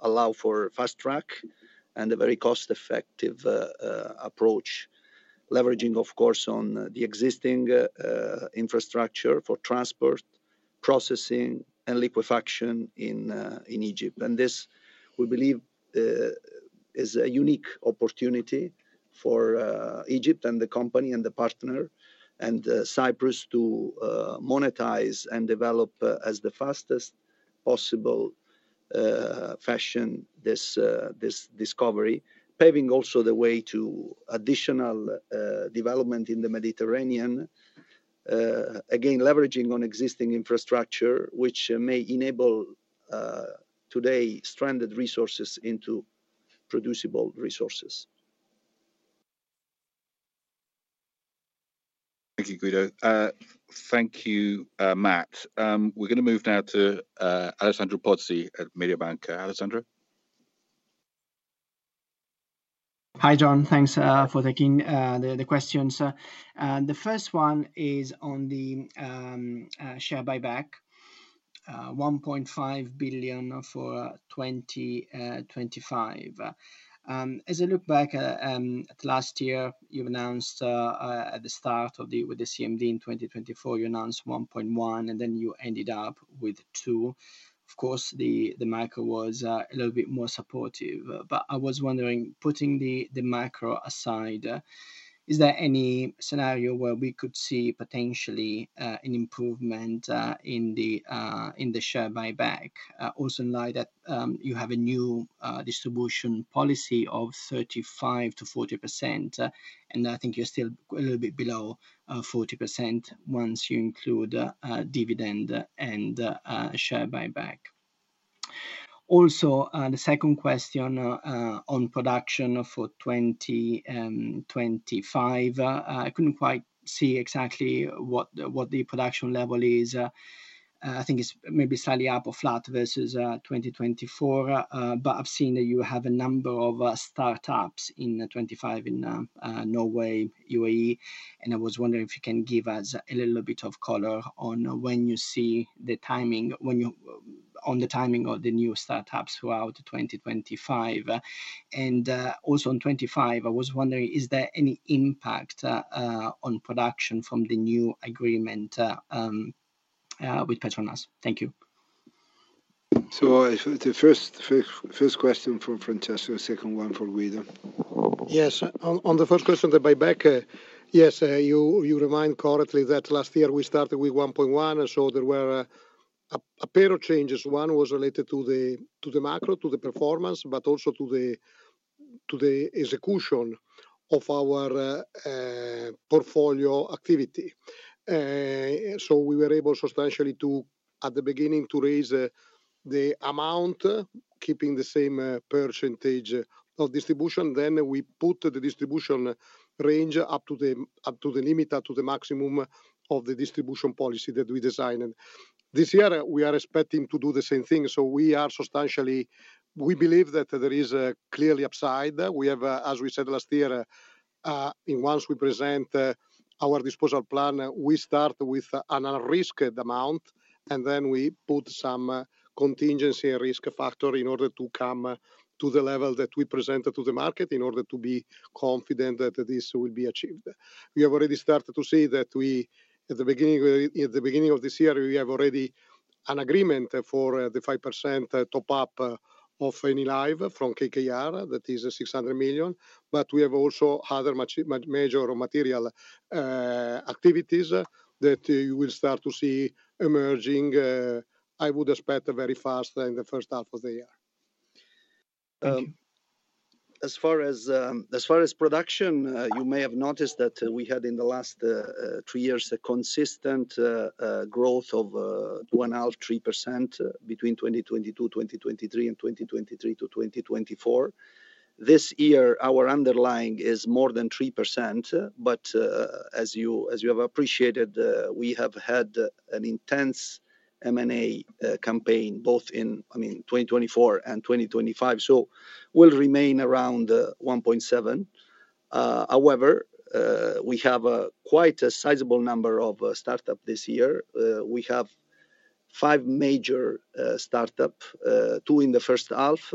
allow for fast track and a very cost-effective approach, leveraging, of course, on the existing infrastructure for transport, processing, and liquefaction in Egypt. And this, we believe, is a unique opportunity for Egypt and the company and the partner and Cyprus to monetize and develop in the fastest possible fashion this discovery, paving also the way to additional development in the Mediterranean, again, leveraging on existing infrastructure, which may enable today's stranded resources into producible resources. Thank you, Guido. Thank you, Matt. We're going to move now to Alessandro Pozzi at Mediobanca. Alessandro? Hi, Jon. Thanks for taking the questions. The first one is on the share buyback, 1.5 billion for 2025. As I look back at last year, you've announced at the start of the year with the CMD in 2024, you announced 1.1 billion, and then you ended up with 2 billion. Of course, the macro was a little bit more supportive. But I was wondering, putting the macro aside, is there any scenario where we could see potentially an improvement in the share buyback? Also in light that you have a new distribution policy of 35%-40%, and I think you're still a little bit below 40% once you include dividend and share buyback. Also, the second question on production for 2025, I couldn't quite see exactly what the production level is. I think it's maybe slightly up or flat versus 2024, but I've seen that you have a number of startups in 2025 in Norway, UAE, and I was wondering if you can give us a little bit of color on when you see the timing of the new startups throughout 2025. And also in 2025, I was wondering, is there any impact on production from the new agreement with Petronas? Thank you. So the first question for Francesco, second one for Guido. Yes, on the first question of the buyback, yes, you remember correctly that last year we started with 1.1, so there were a pair of changes. One was related to the macro, to the performance, but also to the execution of our portfolio activity. So we were able substantially to, at the beginning, to raise the amount, keeping the same percentage of distribution. Then we put the distribution range up to the limit, up to the maximum of the distribution policy that we designed. This year, we are expecting to do the same thing. So we are substantially, we believe that there is a clear upside. We have, as we said last year, once we present our disposal plan, we start with an unrisked amount, and then we put some contingency and risk factor in order to come to the level that we presented to the market in order to be confident that this will be achieved. We have already started to see that we, at the beginning of this year, we have already an agreement for the 5% top-up of Enilive from KKR that is 600 million, but we have also other major material activities that you will start to see emerging. I would expect very fast in the first half of the year. Thank you. As far as production, you may have noticed that we had in the last three years a consistent growth of 1.5-3% between 2022-2023 and 2023-2024. This year, our underlying is more than 3%, but as you have appreciated, we have had an intense M&A campaign both in, I mean, 2024 and 2025, so we'll remain around 1.7. However, we have quite a sizable number of startups this year. We have five major startups, two in the first half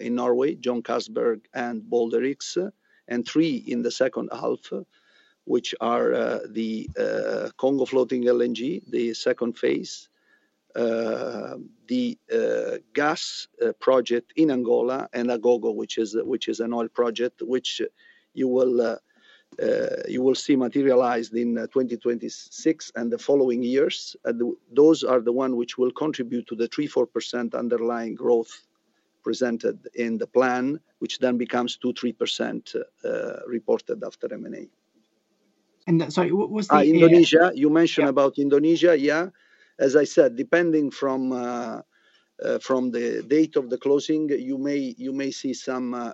in Norway, Johan Castberg and Balder X, and three in the second half, which are the Congo floating LNG, the second phase, the gas project in Angola, and Agogo, which is an oil project, which you will see materialized in 2026 and the following years. Those are the ones which will contribute to the 3%-4% underlying growth presented in the plan, which then becomes 2%-3% reported after M&A. And sorry, what was the? Indonesia, you mentioned about Indonesia, yeah. As I said, depending on the date of the closing, you may see some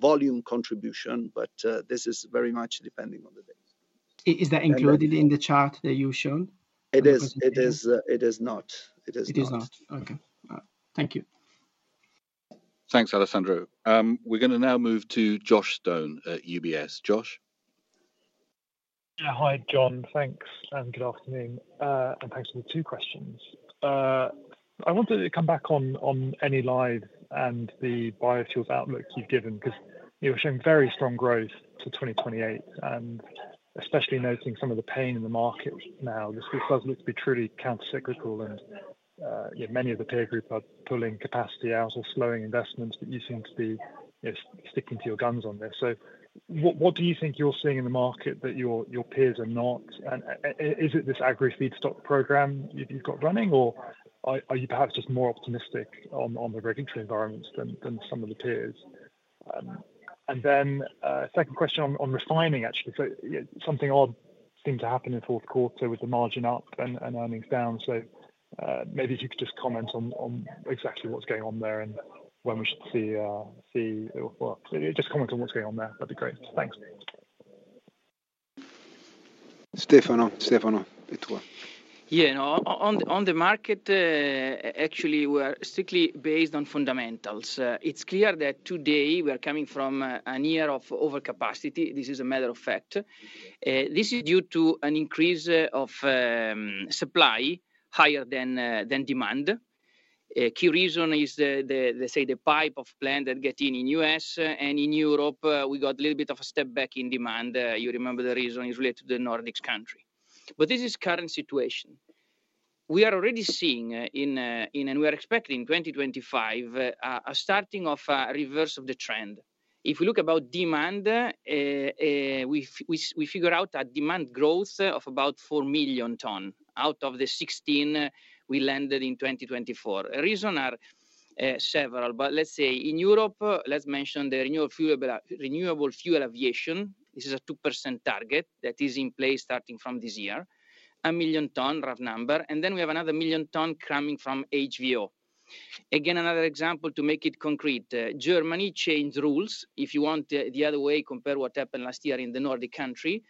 volume contribution, but this is very much depending on the date. Is that included in the chart that you showed? It is not. It is not. It is not. Okay. Thank you. Thanks, Alessandro. We're going to now move to Josh Stone at UBS. Josh? Yeah, hi, Jon. Thanks and good afternoon. And thanks for the two questions. I wanted to come back on Enilive and the biofuels outlook you've given because you're showing very strong growth for 2028, and especially noting some of the pain in the market now. This group does look to be truly countercyclical, and many of the peer groups are pulling capacity out or slowing investments, but you seem to be sticking to your guns on this. So what do you think you're seeing in the market that your peers are not? And is it this agri-feedstock program you've got running, or are you perhaps just more optimistic on the regulatory environment than some of the peers? And then second question on refining, actually. Something odd seemed to happen in fourth quarter with the margin up and earnings down. So maybe if you could just comment on exactly what's going on there and when we should see it. Just comment on what's going on there. That'd be great. Thanks. Stefano, Stefano, it's work. Yeah, no, on the market, actually, we're strictly based on fundamentals. It's clear that today we're coming from a year of overcapacity. This is a matter of fact. This is due to an increase of supply higher than demand. Key reason is, they say, the pipeline that gets built in the U.S., and in Europe, we got a little bit of a step back in demand. You remember the reason is related to the Nordic countries. But this is the current situation. We are already seeing, and we are expecting in 2025, a starting of a reverse of the trend. If we look about demand, we figure out a demand growth of about 4 million tons out of the 16 we landed in 2024. The reasons are several, but let's say in Europe, let's mention the renewable aviation fuel. This is a 2% target that is in place starting from this year, a million tons rough number, and then we have another million tons coming from HVO. Again, another example to make it concrete. Germany changed rules. If you want the other way, compare what happened last year in the Nordic country,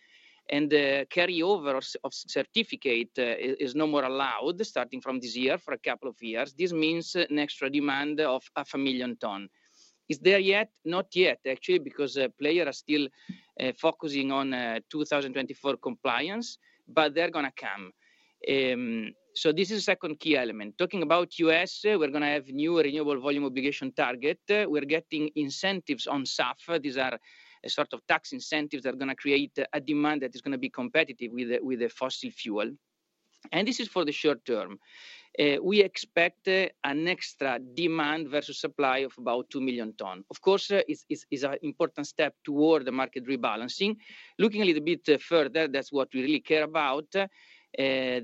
and the carryover of certificate is no more allowed starting from this year for a couple of years. This means an extra demand of 500,000 tons. Is there yet? Not yet, actually, because players are still focusing on 2024 compliance, but they're going to come. So this is the second key element. Talking about the U.S., we're going to have a new renewable volume obligation target. We're getting incentives on SAF. These are a sort of tax incentives that are going to create a demand that is going to be competitive with the fossil fuel. And this is for the short term. We expect an extra demand versus supply of about 2 million tons. Of course, it's an important step toward the market rebalancing. Looking a little bit further, that's what we really care about.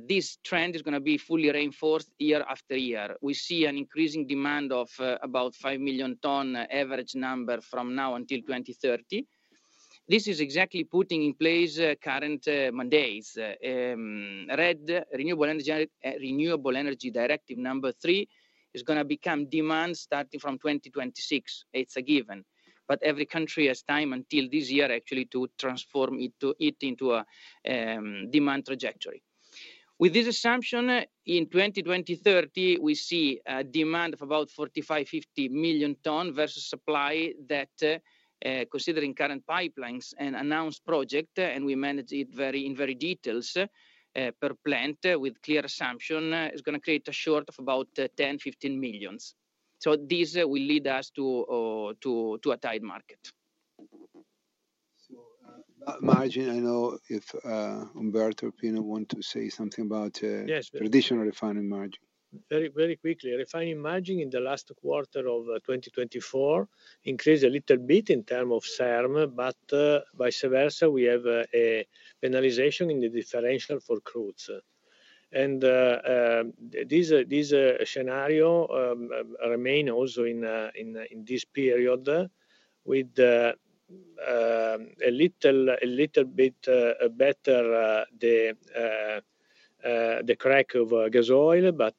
This trend is going to be fully reinforced year after year. We see an increasing demand of about five million tons average number from now until 2030. This is exactly putting in place current mandates. RED, Renewable Energy Directive number three is going to become demand starting from 2026. It's a given. But every country has time until this year, actually, to transform it into a demand trajectory. With this assumption, in 2023, we see a demand of about 45-50 million tons versus supply that, considering current pipelines and announced projects, and we manage it in great detail per plant with clear assumptions, is going to create a shortage of about 10-15 million. So this will lead us to a tight market. So, margins. I don't know if Umberto, Pino wants to say something about traditional refining margins. Very quickly, refining margin in the last quarter of 2024 increased a little bit in terms of SERM, but vice versa, we have a penalization in the differential for crudes, and this scenario remains also in this period with a little bit better the crack of gas oil, but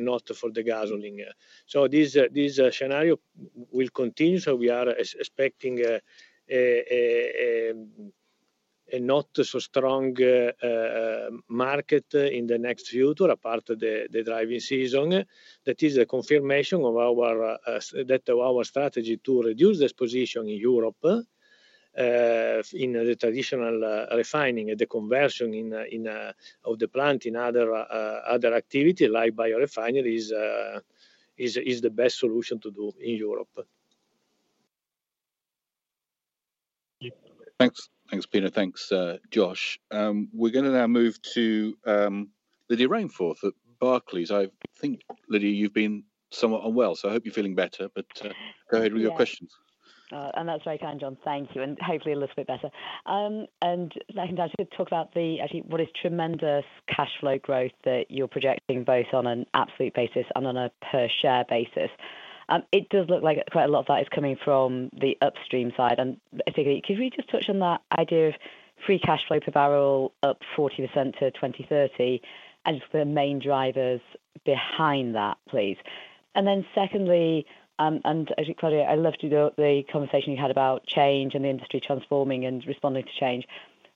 not for the gasoline. So this scenario will continue, so we are expecting a not-so-strong market in the near future, apart from the driving season. That is a confirmation of our strategy to reduce the exposure in Europe in the traditional refining and the conversion of the plant in other activities like biorefining is the best solution to do in Europe. Thanks. Thanks, Pino. Thanks, Josh. We're going to now move to Lydia Rainforth at Barclays. I think, Lydia, you've been somewhat unwell, so I hope you're feeling better, but go ahead with your questions, and that's very kind, Jon. Thank you. Hopefully a little bit better. I can just talk about the, actually, what is tremendous cash flow growth that you're projecting both on an absolute basis and on a per-share basis. It does look like quite a lot of that is coming from the Upstream side. I think, could we just touch on that idea of free cash flow per barrel up 40% to 2030? And the main drivers behind that, please. Then secondly, actually, Claudio, I loved the conversation you had about change and the industry transforming and responding to change.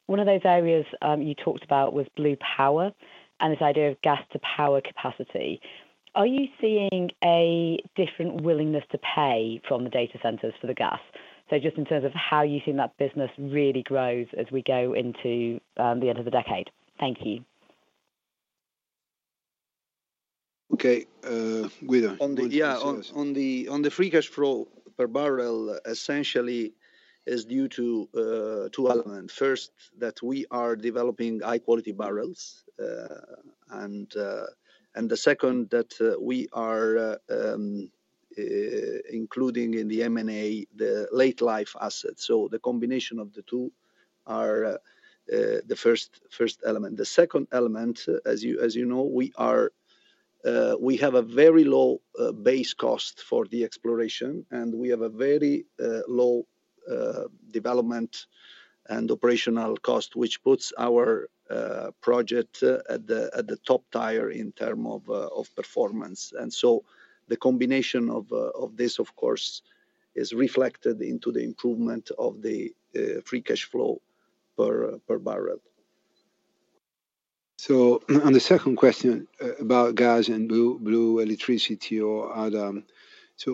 One of those areas you talked about was Blue Power and this idea of gas-to-power capacity. Are you seeing a different willingness to pay from the data centers for the gas? So just in terms of how you've seen that business really grows as we go into the end of the decade. Thank you. Okay. Guido. Yeah. On the free cash flow per barrel, essentially, it's due to two elements. First, that we are developing high-quality barrels. And the second, that we are including in the M&A the late-life assets. So the combination of the two are the first element. The second element, as you know, we have a very low base cost for the exploration, and we have a very low development and operational cost, which puts our project at the top tier in terms of performance. And so the combination of this, of course, is reflected into the improvement of the free cash flow per barrel. So, on the second question about gas and blue power or other,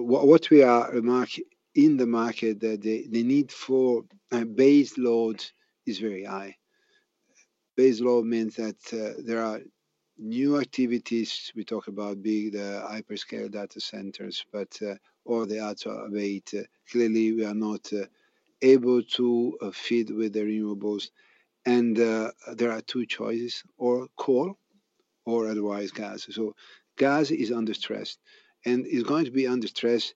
what we are remarking in the market is that the need for baseload is very high. Baseload means that there are new activities. We talk about the hyperscale data centers, but all the other load, clearly, we are not able to feed with the renewables. And there are two choices: or coal or otherwise gas. So gas is under stress and is going to be under stress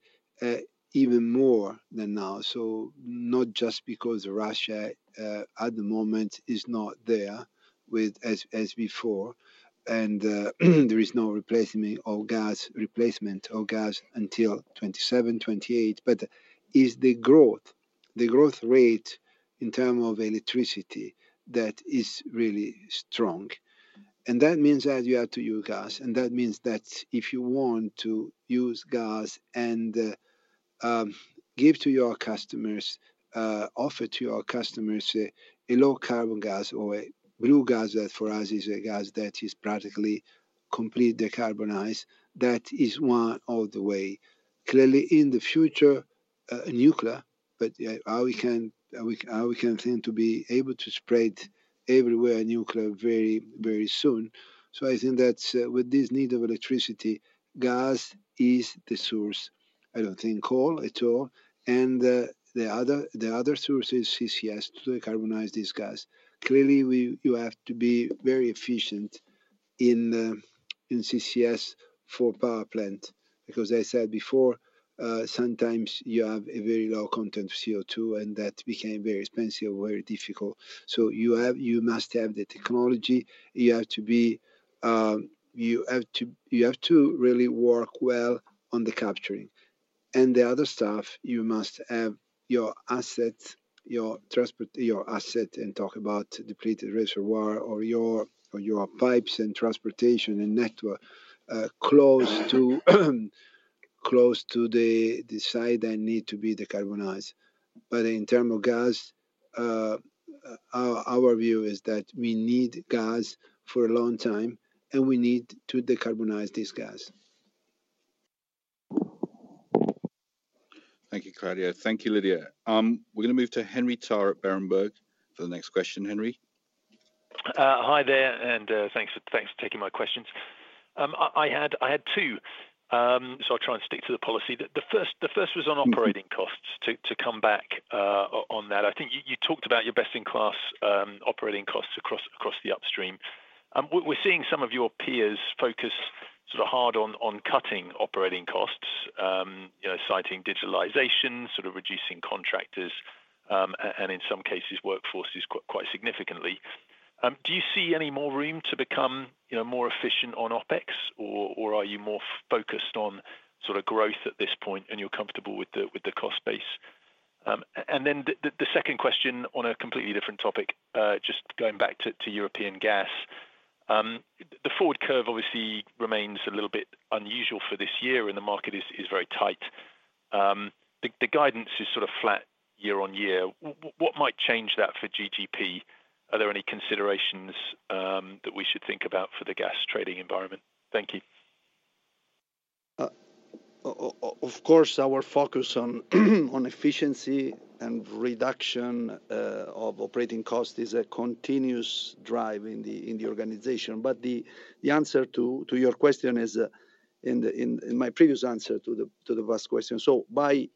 even more than now. So not just because Russia at the moment is not there as before, and there is no replacement for gas until 2027, 2028, but it is the growth, the growth rate in terms of electricity that is really strong. And that means that you have to use gas. That means that if you want to use gas and give to your customers, offer to your customers a low-carbon gas or a blue gas that for us is a gas that is practically completely decarbonized, that is one of the ways. Clearly, in the future, nuclear, but how we can think to be able to spread everywhere nuclear very, very soon. I think that with this need of electricity, gas is the source. I don't think coal at all. The other source is CCS to decarbonize this gas. Clearly, you have to be very efficient in CCS for power plant because, as I said before, sometimes you have a very low content of CO2, and that became very expensive or very difficult. You must have the technology. You have to really work well on the capturing. And the other stuff, you must have your assets, your transport, your asset, and talk about depleted reservoir or your pipes and transportation and network close to the sites that need to be decarbonized. But in terms of gas, our view is that we need gas for a long time, and we need to decarbonize this gas. Thank you, Claudio. Thank you, Lydia. We're going to move to Henry Tarr at Berenberg for the next question. Henry. Hi there, and thanks for taking my questions. I had two, so I'll try and stick to the policy. The first was on operating costs. To come back on that, I think you talked about your best-in-class operating costs across the Upstream. We're seeing some of your peers focus sort of hard on cutting operating costs, citing digitalization, sort of reducing contractors, and in some cases, workforces quite significantly. Do you see any more room to become more efficient on OpEx, or are you more focused on sort of growth at this point, and you're comfortable with the cost base? And then the second question on a completely different topic, just going back to European gas. The forward curve obviously remains a little bit unusual for this year, and the market is very tight. The guidance is sort of flat year on year. What might change that for GGP? Are there any considerations that we should think about for the gas trading environment? Thank you. Of course, our focus on efficiency and reduction of operating costs is a continuous drive in the organization. The answer to your question is, in my previous answer to the first question, so by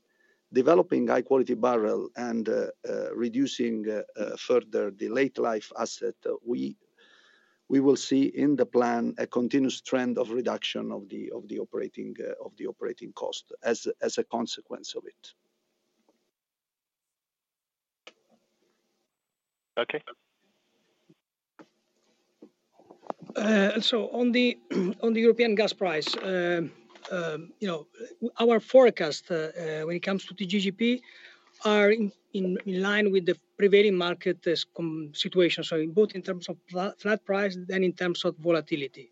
developing high-quality barrel and reducing further the late-life asset, we will see in the plan a continuous trend of reduction of the operating cost as a consequence of it. Okay. On the European gas price, our forecast when it comes to the GGP is in line with the prevailing market situation, so both in terms of flat price and in terms of volatility.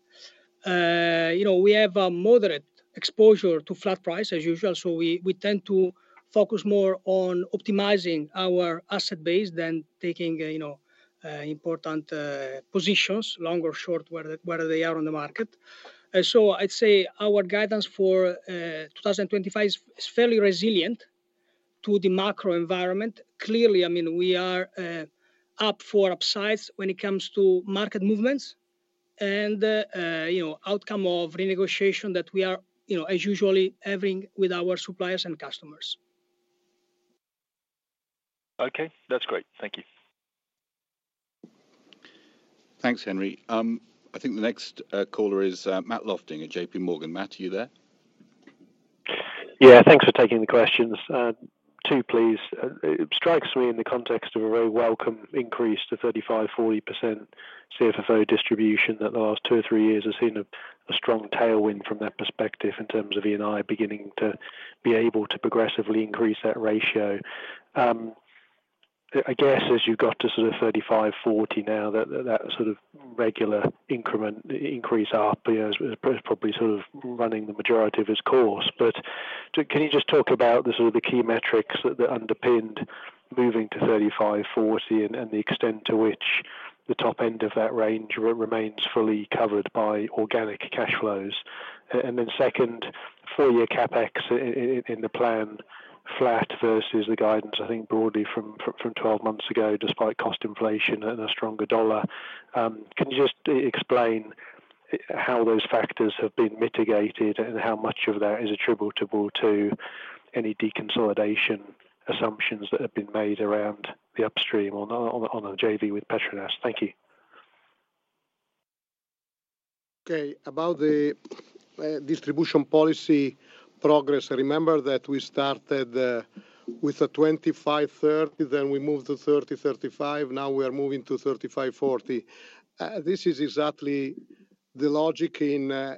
We have a moderate exposure to flat price as usual, so we tend to focus more on optimizing our asset base than taking important positions, long or short, whether they are on the market. I'd say our guidance for 2025 is fairly resilient to the macro environment. Clearly, I mean, we are up for upsides when it comes to market movements and outcome of renegotiation that we are, as usual, having with our suppliers and customers. Okay. That's great. Thank you. Thanks, Henry. I think the next caller is Matt Lofting at JP Morgan. Matt, are you there? Yeah. Thanks for taking the questions. Two, please. It strikes me in the context of a very welcome increase to 35%-40% CFFO distribution that the last two or three years has seen a strong tailwind from that perspective in terms of Eni beginning to be able to progressively increase that ratio. I guess as you've got to sort of 35%-40% now, that sort of regular increase up is probably sort of running the majority of its course. But can you just talk about the sort of the key metrics that underpinned moving to 35%-40% and the extent to which the top end of that range remains fully covered by organic cash flows? And then second, four-year CapEx in the plan flat versus the guidance, I think, broadly from 12 months ago, despite cost inflation and a stronger dollar. Can you just explain how those factors have been mitigated and how much of that is attributable to any deconsolidation assumptions that have been made around the upstream on JV with Petronas? Thank you. Okay. About the distribution policy progress, I remember that we started with a 25%-30%, then we moved to 30%-35%. Now we are moving to 35%-40%. This is exactly the logic in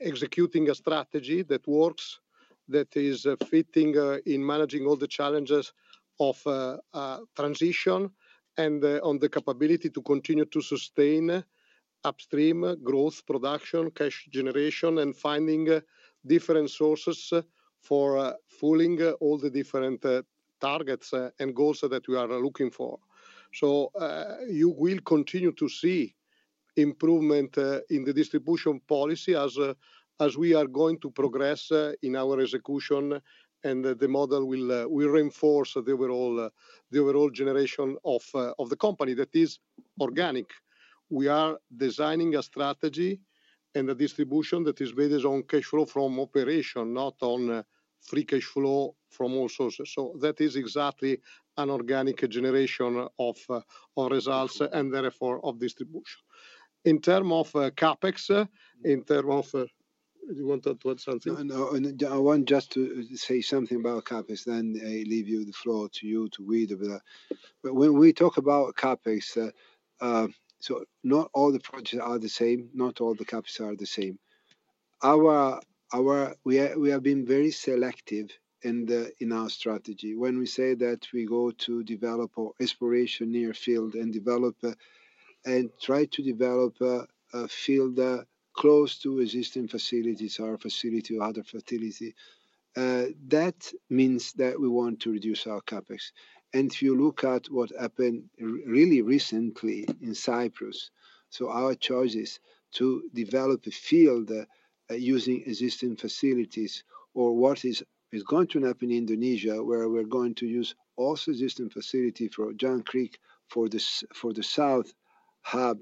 executing a strategy that works, that is fitting in managing all the challenges of transition and on the capability to continue to sustain upstream growth, production, cash generation, and finding different sources for fulfilling all the different targets and goals that we are looking for. So you will continue to see improvement in the distribution policy as we are going to progress in our execution, and the model will reinforce the overall generation of the company that is organic. We are designing a strategy and a distribution that is based on cash flow from operations, not on free cash flow from all sources. So that is exactly an organic generation of results and therefore of distribution. In terms of CapEx, in terms of, do you want to add something? I want just to say something about CapEx. Then I leave the floor to you to read about, but when we talk about CapEx, so not all the projects are the same. Not all the CapEx are the same. We have been very selective in our strategy. When we say that we go to develop or exploration near field and try to develop a field close to existing facilities or facility or other facility, that means that we want to reduce our CapEx, and if you look at what happened really recently in Cyprus, so our choice is to develop a field using existing facilities or what is going to happen in Indonesia where we're going to use also existing facility for Geng North for the south hub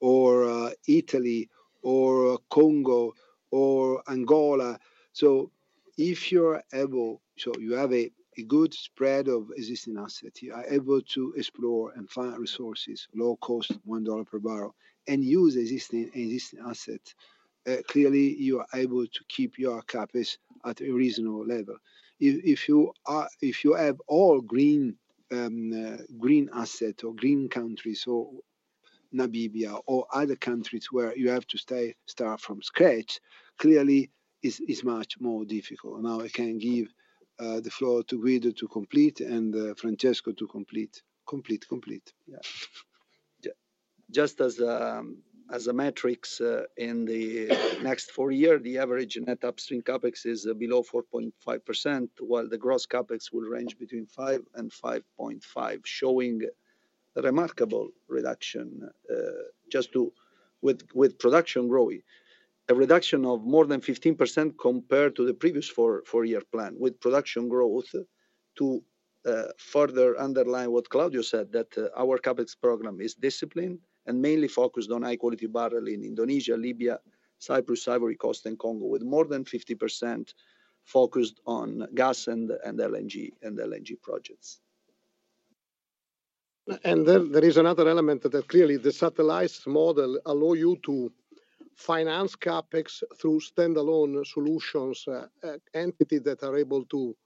or Italy or Congo or Angola. So if you're able, so you have a good spread of existing assets, you are able to explore and find resources, low cost, $1 per barrel, and use existing assets, clearly you are able to keep your CapEx at a reasonable level. If you have all green assets or green countries or Namibia or other countries where you have to start from scratch, clearly it's much more difficult. Now I can give the floor to Guido to complete and Francesco to complete. Just as a metric, in the next four years, the average net Upstream CapEx is below 4.5%, while the gross CapEx will range between 5% and 5.5%, showing a remarkable reduction just with production growing. A reduction of more than 15% compared to the previous four-year plan with production growth to further underline what Claudio said, that our CapEx program is disciplined and mainly focused on high-quality barrel in Indonesia, Libya, Cyprus, Ivory Coast, and Congo, with more than 50% focused on gas and LNG projects. And there is another element that clearly the satellite model allow you to finance CapEx through standalone solutions, entities that are able to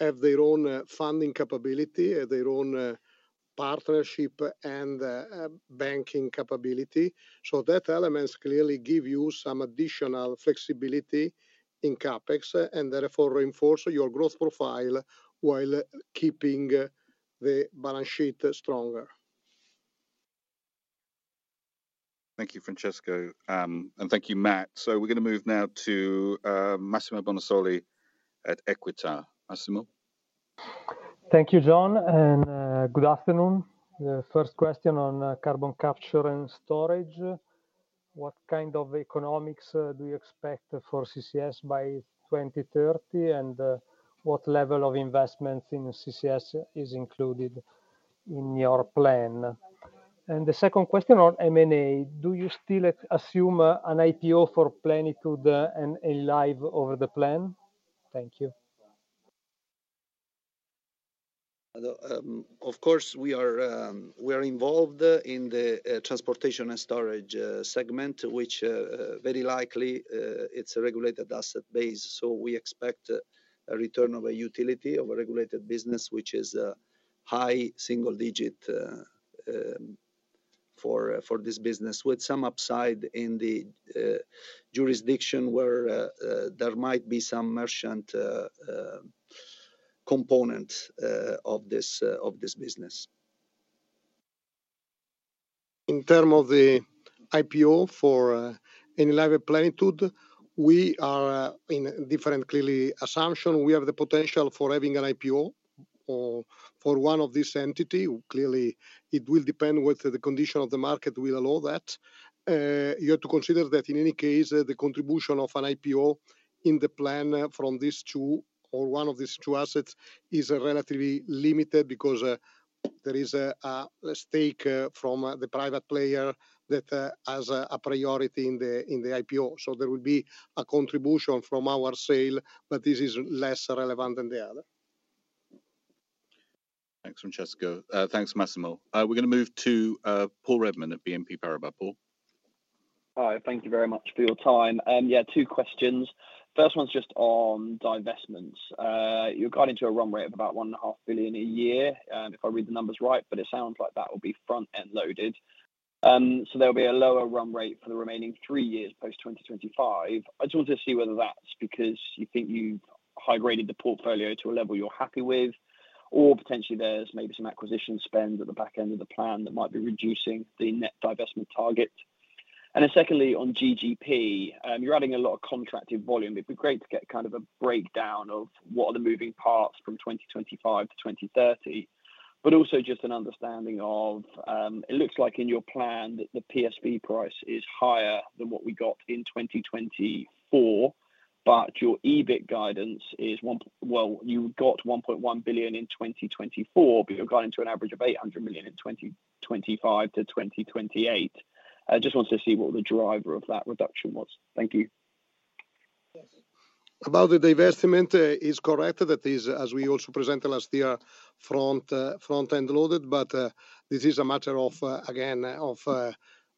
have their own funding capability, their own partnership, and banking capability. So that element clearly gives you some additional flexibility in CapEx and therefore reinforces your growth profile while keeping the balance sheet stronger. Thank you, Francesco. And thank you, Matt. So we're going to move now to Massimo Bonisoli at Equita. Massimo? Thank you, Jon, and good afternoon. The first question on carbon capture and storage. What kind of economics do you expect for CCS by 2030, and what level of investments in CCS is included in your plan? And the second question on M&A, do you still assume an IPO for Plenitude and Enilive in the plan? Thank you. Of course, we are involved in the transportation and storage segment, which very likely it's a regulated asset base. So we expect a return of a utility of a regulated business, which is a high single digit for this business, with some upside in the jurisdiction where there might be some merchant component of this business. In terms of the IPO for Enilive and Plenitude, we are in a clearly different assumption. We have the potential for having an IPO for one of these entities. Clearly, it will depend whether the condition of the market will allow that. You have to consider that in any case, the contribution of an IPO in the plan from these two or one of these two assets is relatively limited because there is a stake from the private player that has a priority in the IPO. So there will be a contribution from our sale, but this is less relevant than the other. Thanks, Francesco. Thanks, Massimo. We're going to move to Paul Redman at BNP Paribas. Paul? Hi, thank you very much for your time. Yeah, two questions. First one's just on divestments. You're guiding to a run rate of about 1.5 billion a year, if I read the numbers right, but it sounds like that will be front-end loaded. So there will be a lower run rate for the remaining three years post-2025. I just wanted to see whether that's because you think you've high-graded the portfolio to a level you're happy with, or potentially there's maybe some acquisition spend at the back end of the plan that might be reducing the net divestment target. And then secondly, on GGP, you're adding a lot of contracted volume. It'd be great to get kind of a breakdown of what are the moving parts from 2025 to 2030, but also just an understanding of it looks like in your plan that the PSV price is higher than what we got in 2024, but your EBIT guidance is, well, you got 1.1 billion in 2024, but you're guiding to an average of 800 million in 2025 to 2028. I just wanted to see what the driver of that reduction was. Thank you. About the divestment, it's correct that it is, as we also presented last year, front-end loaded, but this is a matter of, again, of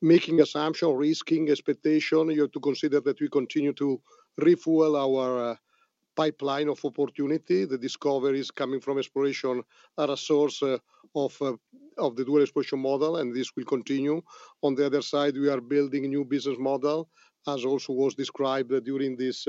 making assumptions, risking expectation. You have to consider that we continue to refuel our pipeline of opportunity. The discovery is coming from exploration as a source of the dual exploration model, and this will continue. On the other side, we are building a new business model, as also was described during this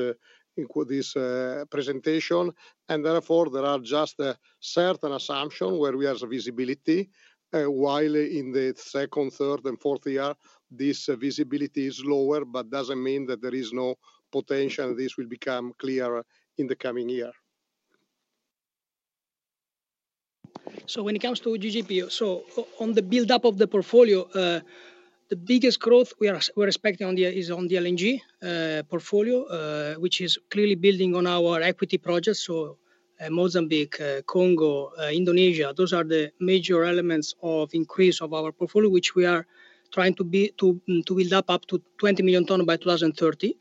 presentation. And therefore, there are just certain assumptions where we have visibility, while in the second, third, and fourth year, this visibility is lower, but doesn't mean that there is no potential, and this will become clearer in the coming year. So when it comes to GGP, so on the build-up of the portfolio, the biggest growth we're expecting is on the LNG portfolio, which is clearly building on our equity projects. Mozambique, Congo, Indonesia, those are the major elements of increase of our portfolio, which we are trying to build up to 20 million tonnes by 2030.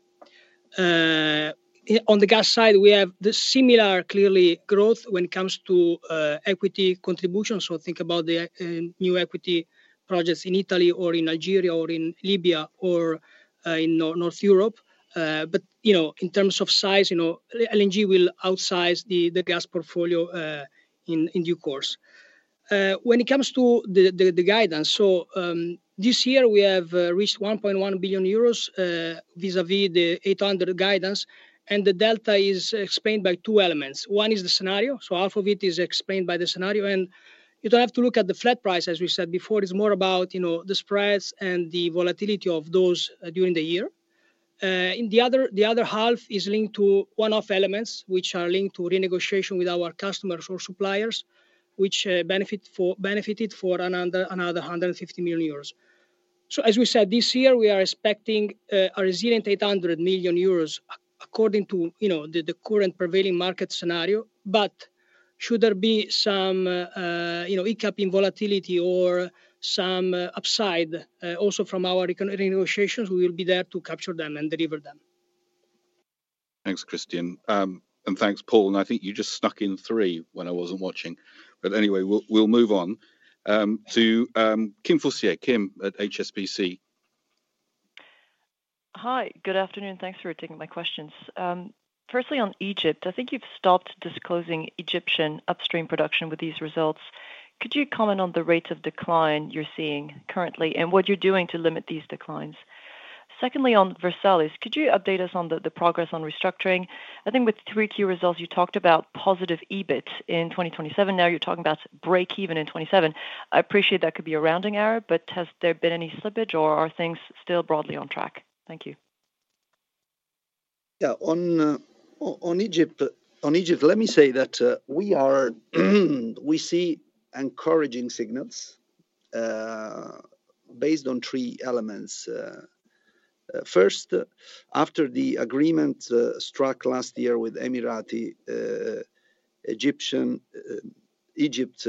On the gas side, we have the similar clearly growth when it comes to equity contributions. Think about the new equity projects in Italy or in Algeria or in Libya or in North Europe. But in terms of size, LNG will outsize the gas portfolio in due course. When it comes to the guidance, this year we have reached 1.1 billion euros vis-à-vis the 800 million guidance, and the delta is explained by two elements. One is the scenario. Half of it is explained by the scenario, and you don't have to look at the flat price, as we said before. It's more about the spreads and the volatility of those during the year. The other half is linked to one-off elements, which are linked to renegotiation with our customers or suppliers, which benefited for another 150 million euros. So as we said, this year we are expecting a resilient 800 million euros according to the current prevailing market scenario. But should there be some capex in volatility or some upside also from our renegotiations, we will be there to capture them and deliver them. Thanks, Cristian. And thanks, Paul. And I think you just snuck in three when I wasn't watching. But anyway, we'll move on to Kim Fustier, Kim at HSBC. Hi, good afternoon. Thanks for taking my questions. Firstly, on Egypt, I think you've stopped disclosing Egyptian upstream production with these results. Could you comment on the rate of decline you're seeing currently and what you're doing to limit these declines? Secondly, on Versalis, could you update us on the progress on restructuring? I think with three key results, you talked about positive EBIT in 2027. Now you're talking about break-even in 2027. I appreciate that could be a rounding error, but has there been any slippage or are things still broadly on track? Thank you. Yeah, on Egypt, let me say that we see encouraging signals based on three elements. First, after the agreement struck last year with Emirati, Egyptian, Egypt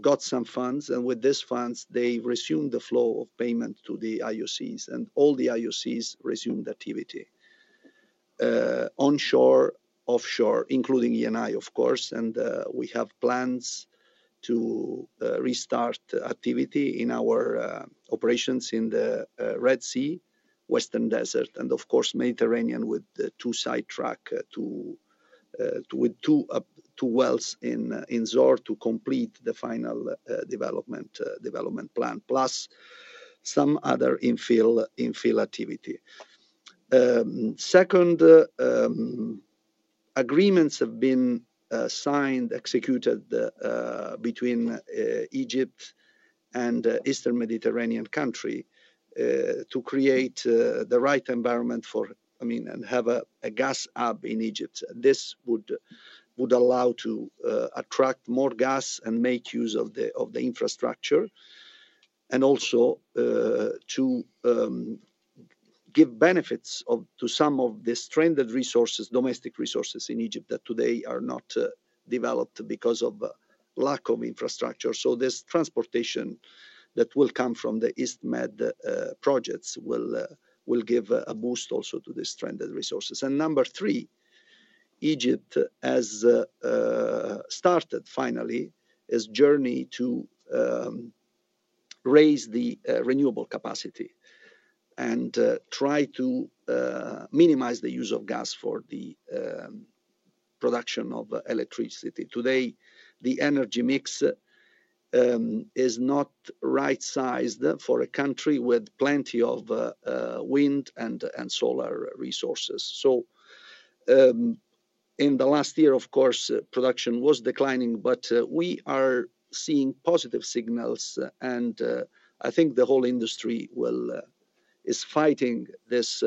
got some funds, and with these funds, they resumed the flow of payment to the IOCs, and all the IOCs resumed activity onshore, offshore, including Eni, of course. And we have plans to restart activity in our operations in the Red Sea, Western Desert, and of course, Mediterranean with two side tracks with two wells in Zohr to complete the final development plan, plus some other infill activity. Second, agreements have been signed, executed between Egypt and Eastern Mediterranean countries to create the right environment for, I mean, and have a gas hub in Egypt. This would allow to attract more gas and make use of the infrastructure and also to give benefits to some of the stranded resources, domestic resources in Egypt that today are not developed because of lack of infrastructure, so this transportation that will come from the East Med projects will give a boost also to the stranded resources, and number three, Egypt has started finally its journey to raise the renewable capacity and try to minimize the use of gas for the production of electricity. Today, the energy mix is not right-sized for a country with plenty of wind and solar resources. In the last year, of course, production was declining, but we are seeing positive signals, and I think the whole industry is fighting this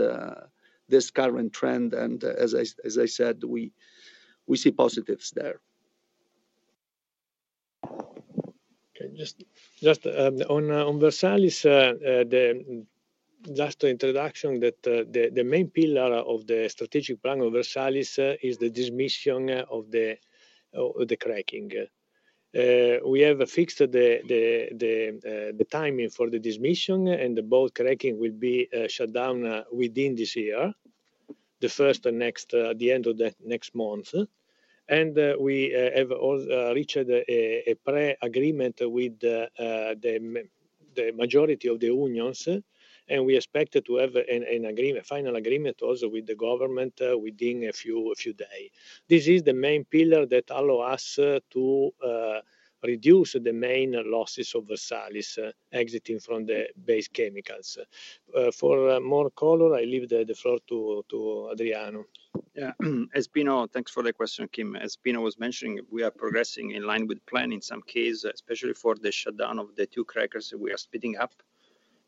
current trend. As I said, we see positives there. Okay, just on Versalis, just an introduction that the main pillar of the strategic plan of Versalis is the dismissal of the cracking. We have fixed the timing for the dismissal, and the both cracking will be shut down within this year, the first and next at the end of the next month. We have reached a pre-agreement with the majority of the unions, and we expect to have a final agreement also with the government within a few days. This is the main pillar that allows us to reduce the main losses of Versalis exiting from the base chemicals. For more color, I leave the floor to Adriano. Yeah, as Pino, thanks for the question, Kim. As Pino was mentioning, we are progressing in line with plan in some cases, especially for the shutdown of the two crackers. We are speeding up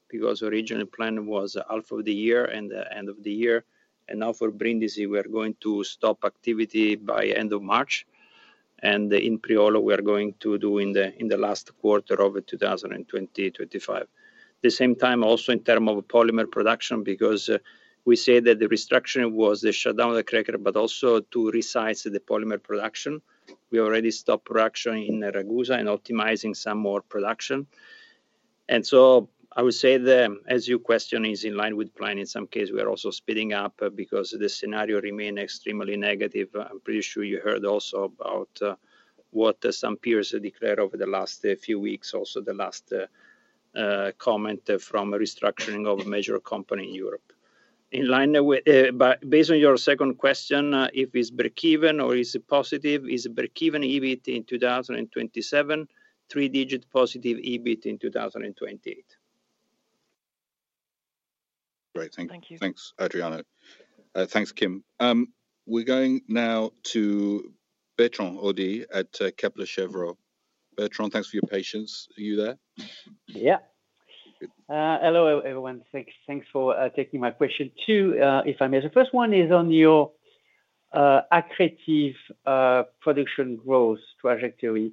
because the original plan was half of the year and the end of the year. Now for Brindisi, we are going to stop activity by end of March. In Priolo, we are going to do in the last quarter of 2024-2025. At the same time, also in terms of polymer production, because we say that the restriction was the shutdown of the cracker, but also to resize the polymer production. We already stopped production in Ragusa and optimizing some more production. So I would say that as your question is in line with plan, in some cases, we are also speeding up because the scenario remained extremely negative. I'm pretty sure you heard also about what some peers declared over the last few weeks, also the last comment from restructuring of a major company in Europe. In line, based on your second question, if it's break-even or is it positive, is it break-even EBIT in 2027, three-digit positive EBIT in 2028? Great, thank you. Thank you. Thanks, Adriano. Thanks, Kim. We're going now to Bertrand Hodee at Kepler Cheuvreux. Bertrand, thanks for your patience. Are you there? Yeah. Hello, everyone. Thanks for taking my question too, if I may. The first one is on your accretive production growth trajectory.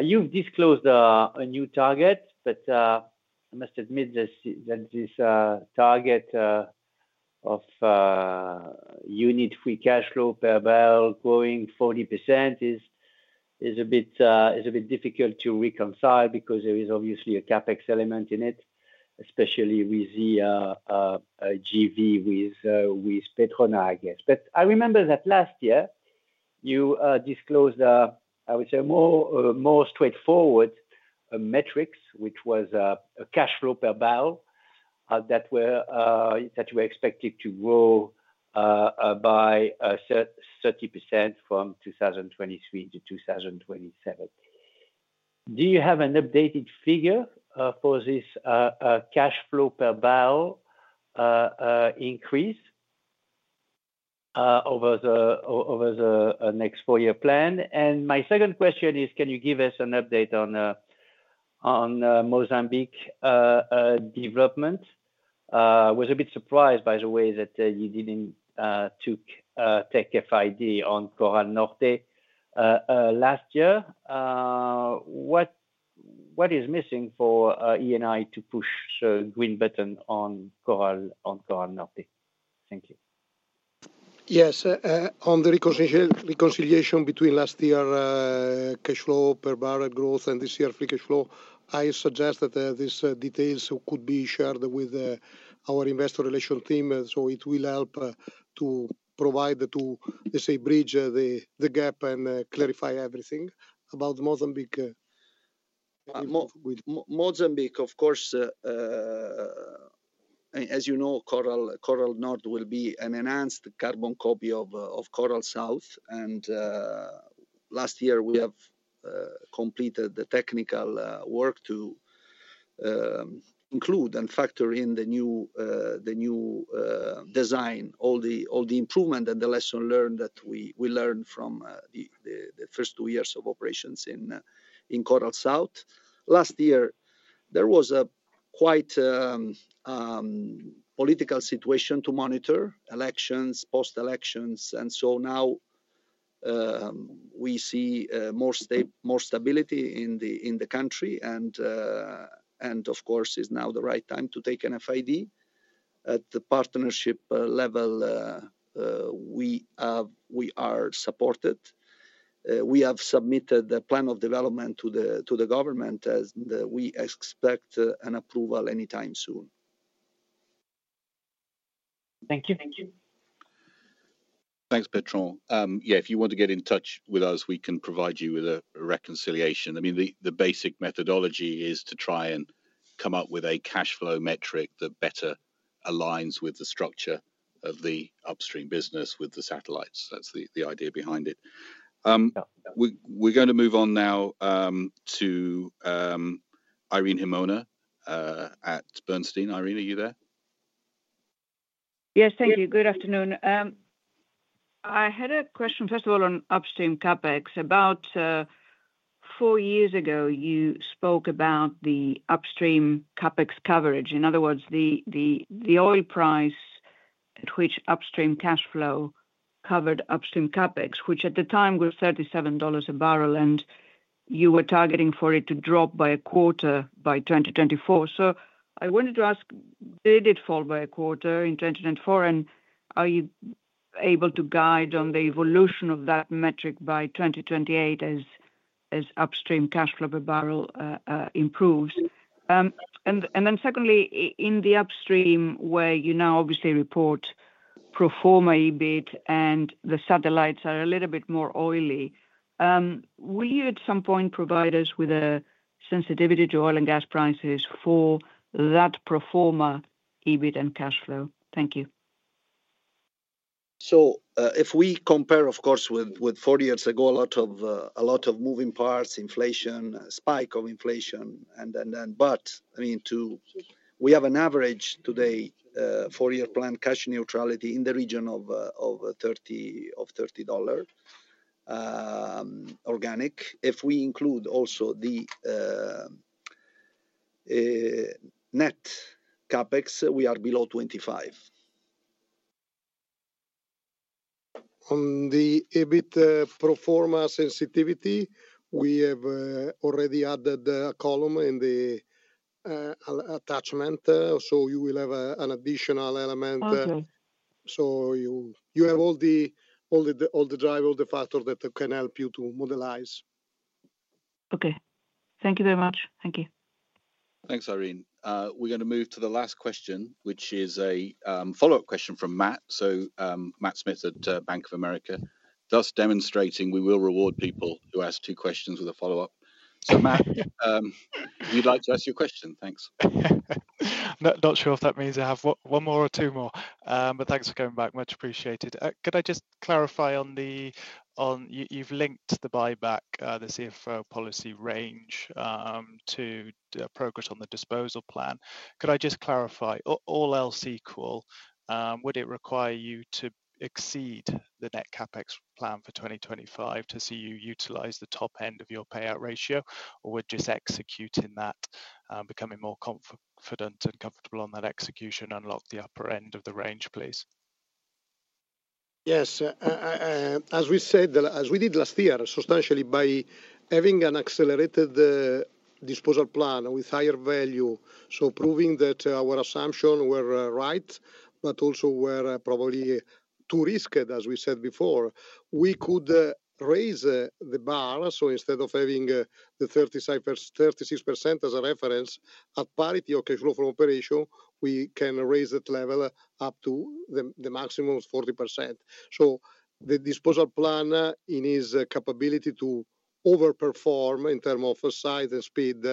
You've disclosed a new target, but I must admit that this target of unit free cash flow per barrel growing 40% is a bit difficult to reconcile because there is obviously a CapEx element in it, especially with GGP with Petronas, I guess. I remember that last year, you disclosed, I would say, more straightforward metrics, which was a cash flow per barrel that you were expected to grow by 30% from 2023-2027. Do you have an updated figure for this cash flow per barrel increase over the next four-year plan? And my second question is, can you give us an update on Mozambique development? I was a bit surprised, by the way, that you didn't take FID on Coral North last year. What is missing for Eni to push the green button on Coral North? Thank you. Yes, on the reconciliation between last year cash flow per barrel growth and this year free cash flow, I suggest that these details could be shared with our investor relations team. So it will help to provide to, let's say, bridge the gap and clarify everything about Mozambique. Mozambique, of course, as you know, Coral North will be an enhanced carbon copy of Coral South. Last year, we have completed the technical work to include and factor in the new design, all the improvement and the lessons learned that we learned from the first two years of operations in Coral South. Last year, there was quite a political situation to monitor elections, post-elections. So now we see more stability in the country. Of course, it's now the right time to take an FID. At the partnership level, we are supported. We have submitted the plan of development to the government, and we expect an approval anytime soon. Thank you. Thank you. Thanks, Bertrand. Yeah, if you want to get in touch with us, we can provide you with a reconciliation. I mean, the basic methodology is to try and come up with a cash flow metric that better aligns with the structure of the upstream business with the satellites. That's the idea behind it. We're going to move on now to Irene Himona at Bernstein. Irene, are you there? Yes, thank you. Good afternoon. I had a question, first of all, on upstream CapEx. About four years ago, you spoke about the upstream CapEx coverage. In other words, the oil price at which upstream cash flow covered upstream CapEx, which at the time was $37 a barrel, and you were targeting for it to drop by a quarter by 2024. So I wanted to ask, did it fall by a quarter in 2024? And are you able to guide on the evolution of that metric by 2028 as upstream cash flow per barrel improves? And then secondly, in the upstream where you now obviously report pro forma EBIT and the satellites are a little bit more oily, will you at some point provide us with a sensitivity to oil and gas prices for that pro forma EBIT and cash flow? Thank you. So if we compare, of course, with four years ago, a lot of moving parts, inflation, spike of inflation, and then, but I mean, we have an average today, four-year plan, cash neutrality in the region of $30 organic. If we include also the net CapEx, we are below $25. On the EBIT pro forma sensitivity, we have already added a column in the attachment, so you will have an additional element. So you have all the drive, all the factors that can help you to modalize. Okay. Thank you very much. Thank you. Thanks, Irene. We're going to move to the last question, which is a follow-up question from Matt. So Matt Smith at Bank of America, thus demonstrating we will reward people who ask two questions with a follow-up. So Matt, you'd like to ask your question? Thanks. Not sure if that means I have one more or two more, but thanks for coming back. Much appreciated. Could I just clarify on the, you've linked the buyback, the CFO policy range to progress on the disposal plan. Could I just clarify all else equal, would it require you to exceed the net CapEx plan for 2025 to see you utilize the top end of your payout ratio, or would just executing that become more confident and comfortable on that execution unlock the upper end of the range, please? Yes, as we said, as we did last year, substantially by having an accelerated disposal plan with higher value, so proving that our assumptions were right, but also were probably too risky, as we said before, we could raise the bar. So instead of having the 36% as a reference, at parity of cash flow from operation, we can raise that level up to the maximum of 40%. So the disposal plan, in its capability to overperform in terms of size and speed,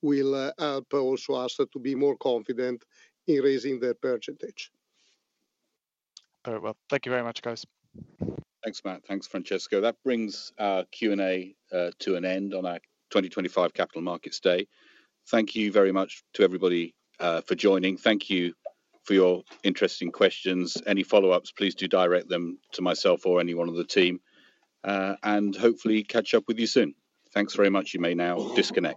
will help also us to be more confident in raising that percentage. All right, well, thank you very much, guys. Thanks, Matt. Thanks, Francesco. That brings Q&A to an end on our 2025 Capital Markets Day. Thank you very much to everybody for joining. Thank you for your interesting questions. Any follow-ups, please do direct them to myself or anyone on the team. Hopefully, catch up with you soon. Thanks very much. You may now disconnect.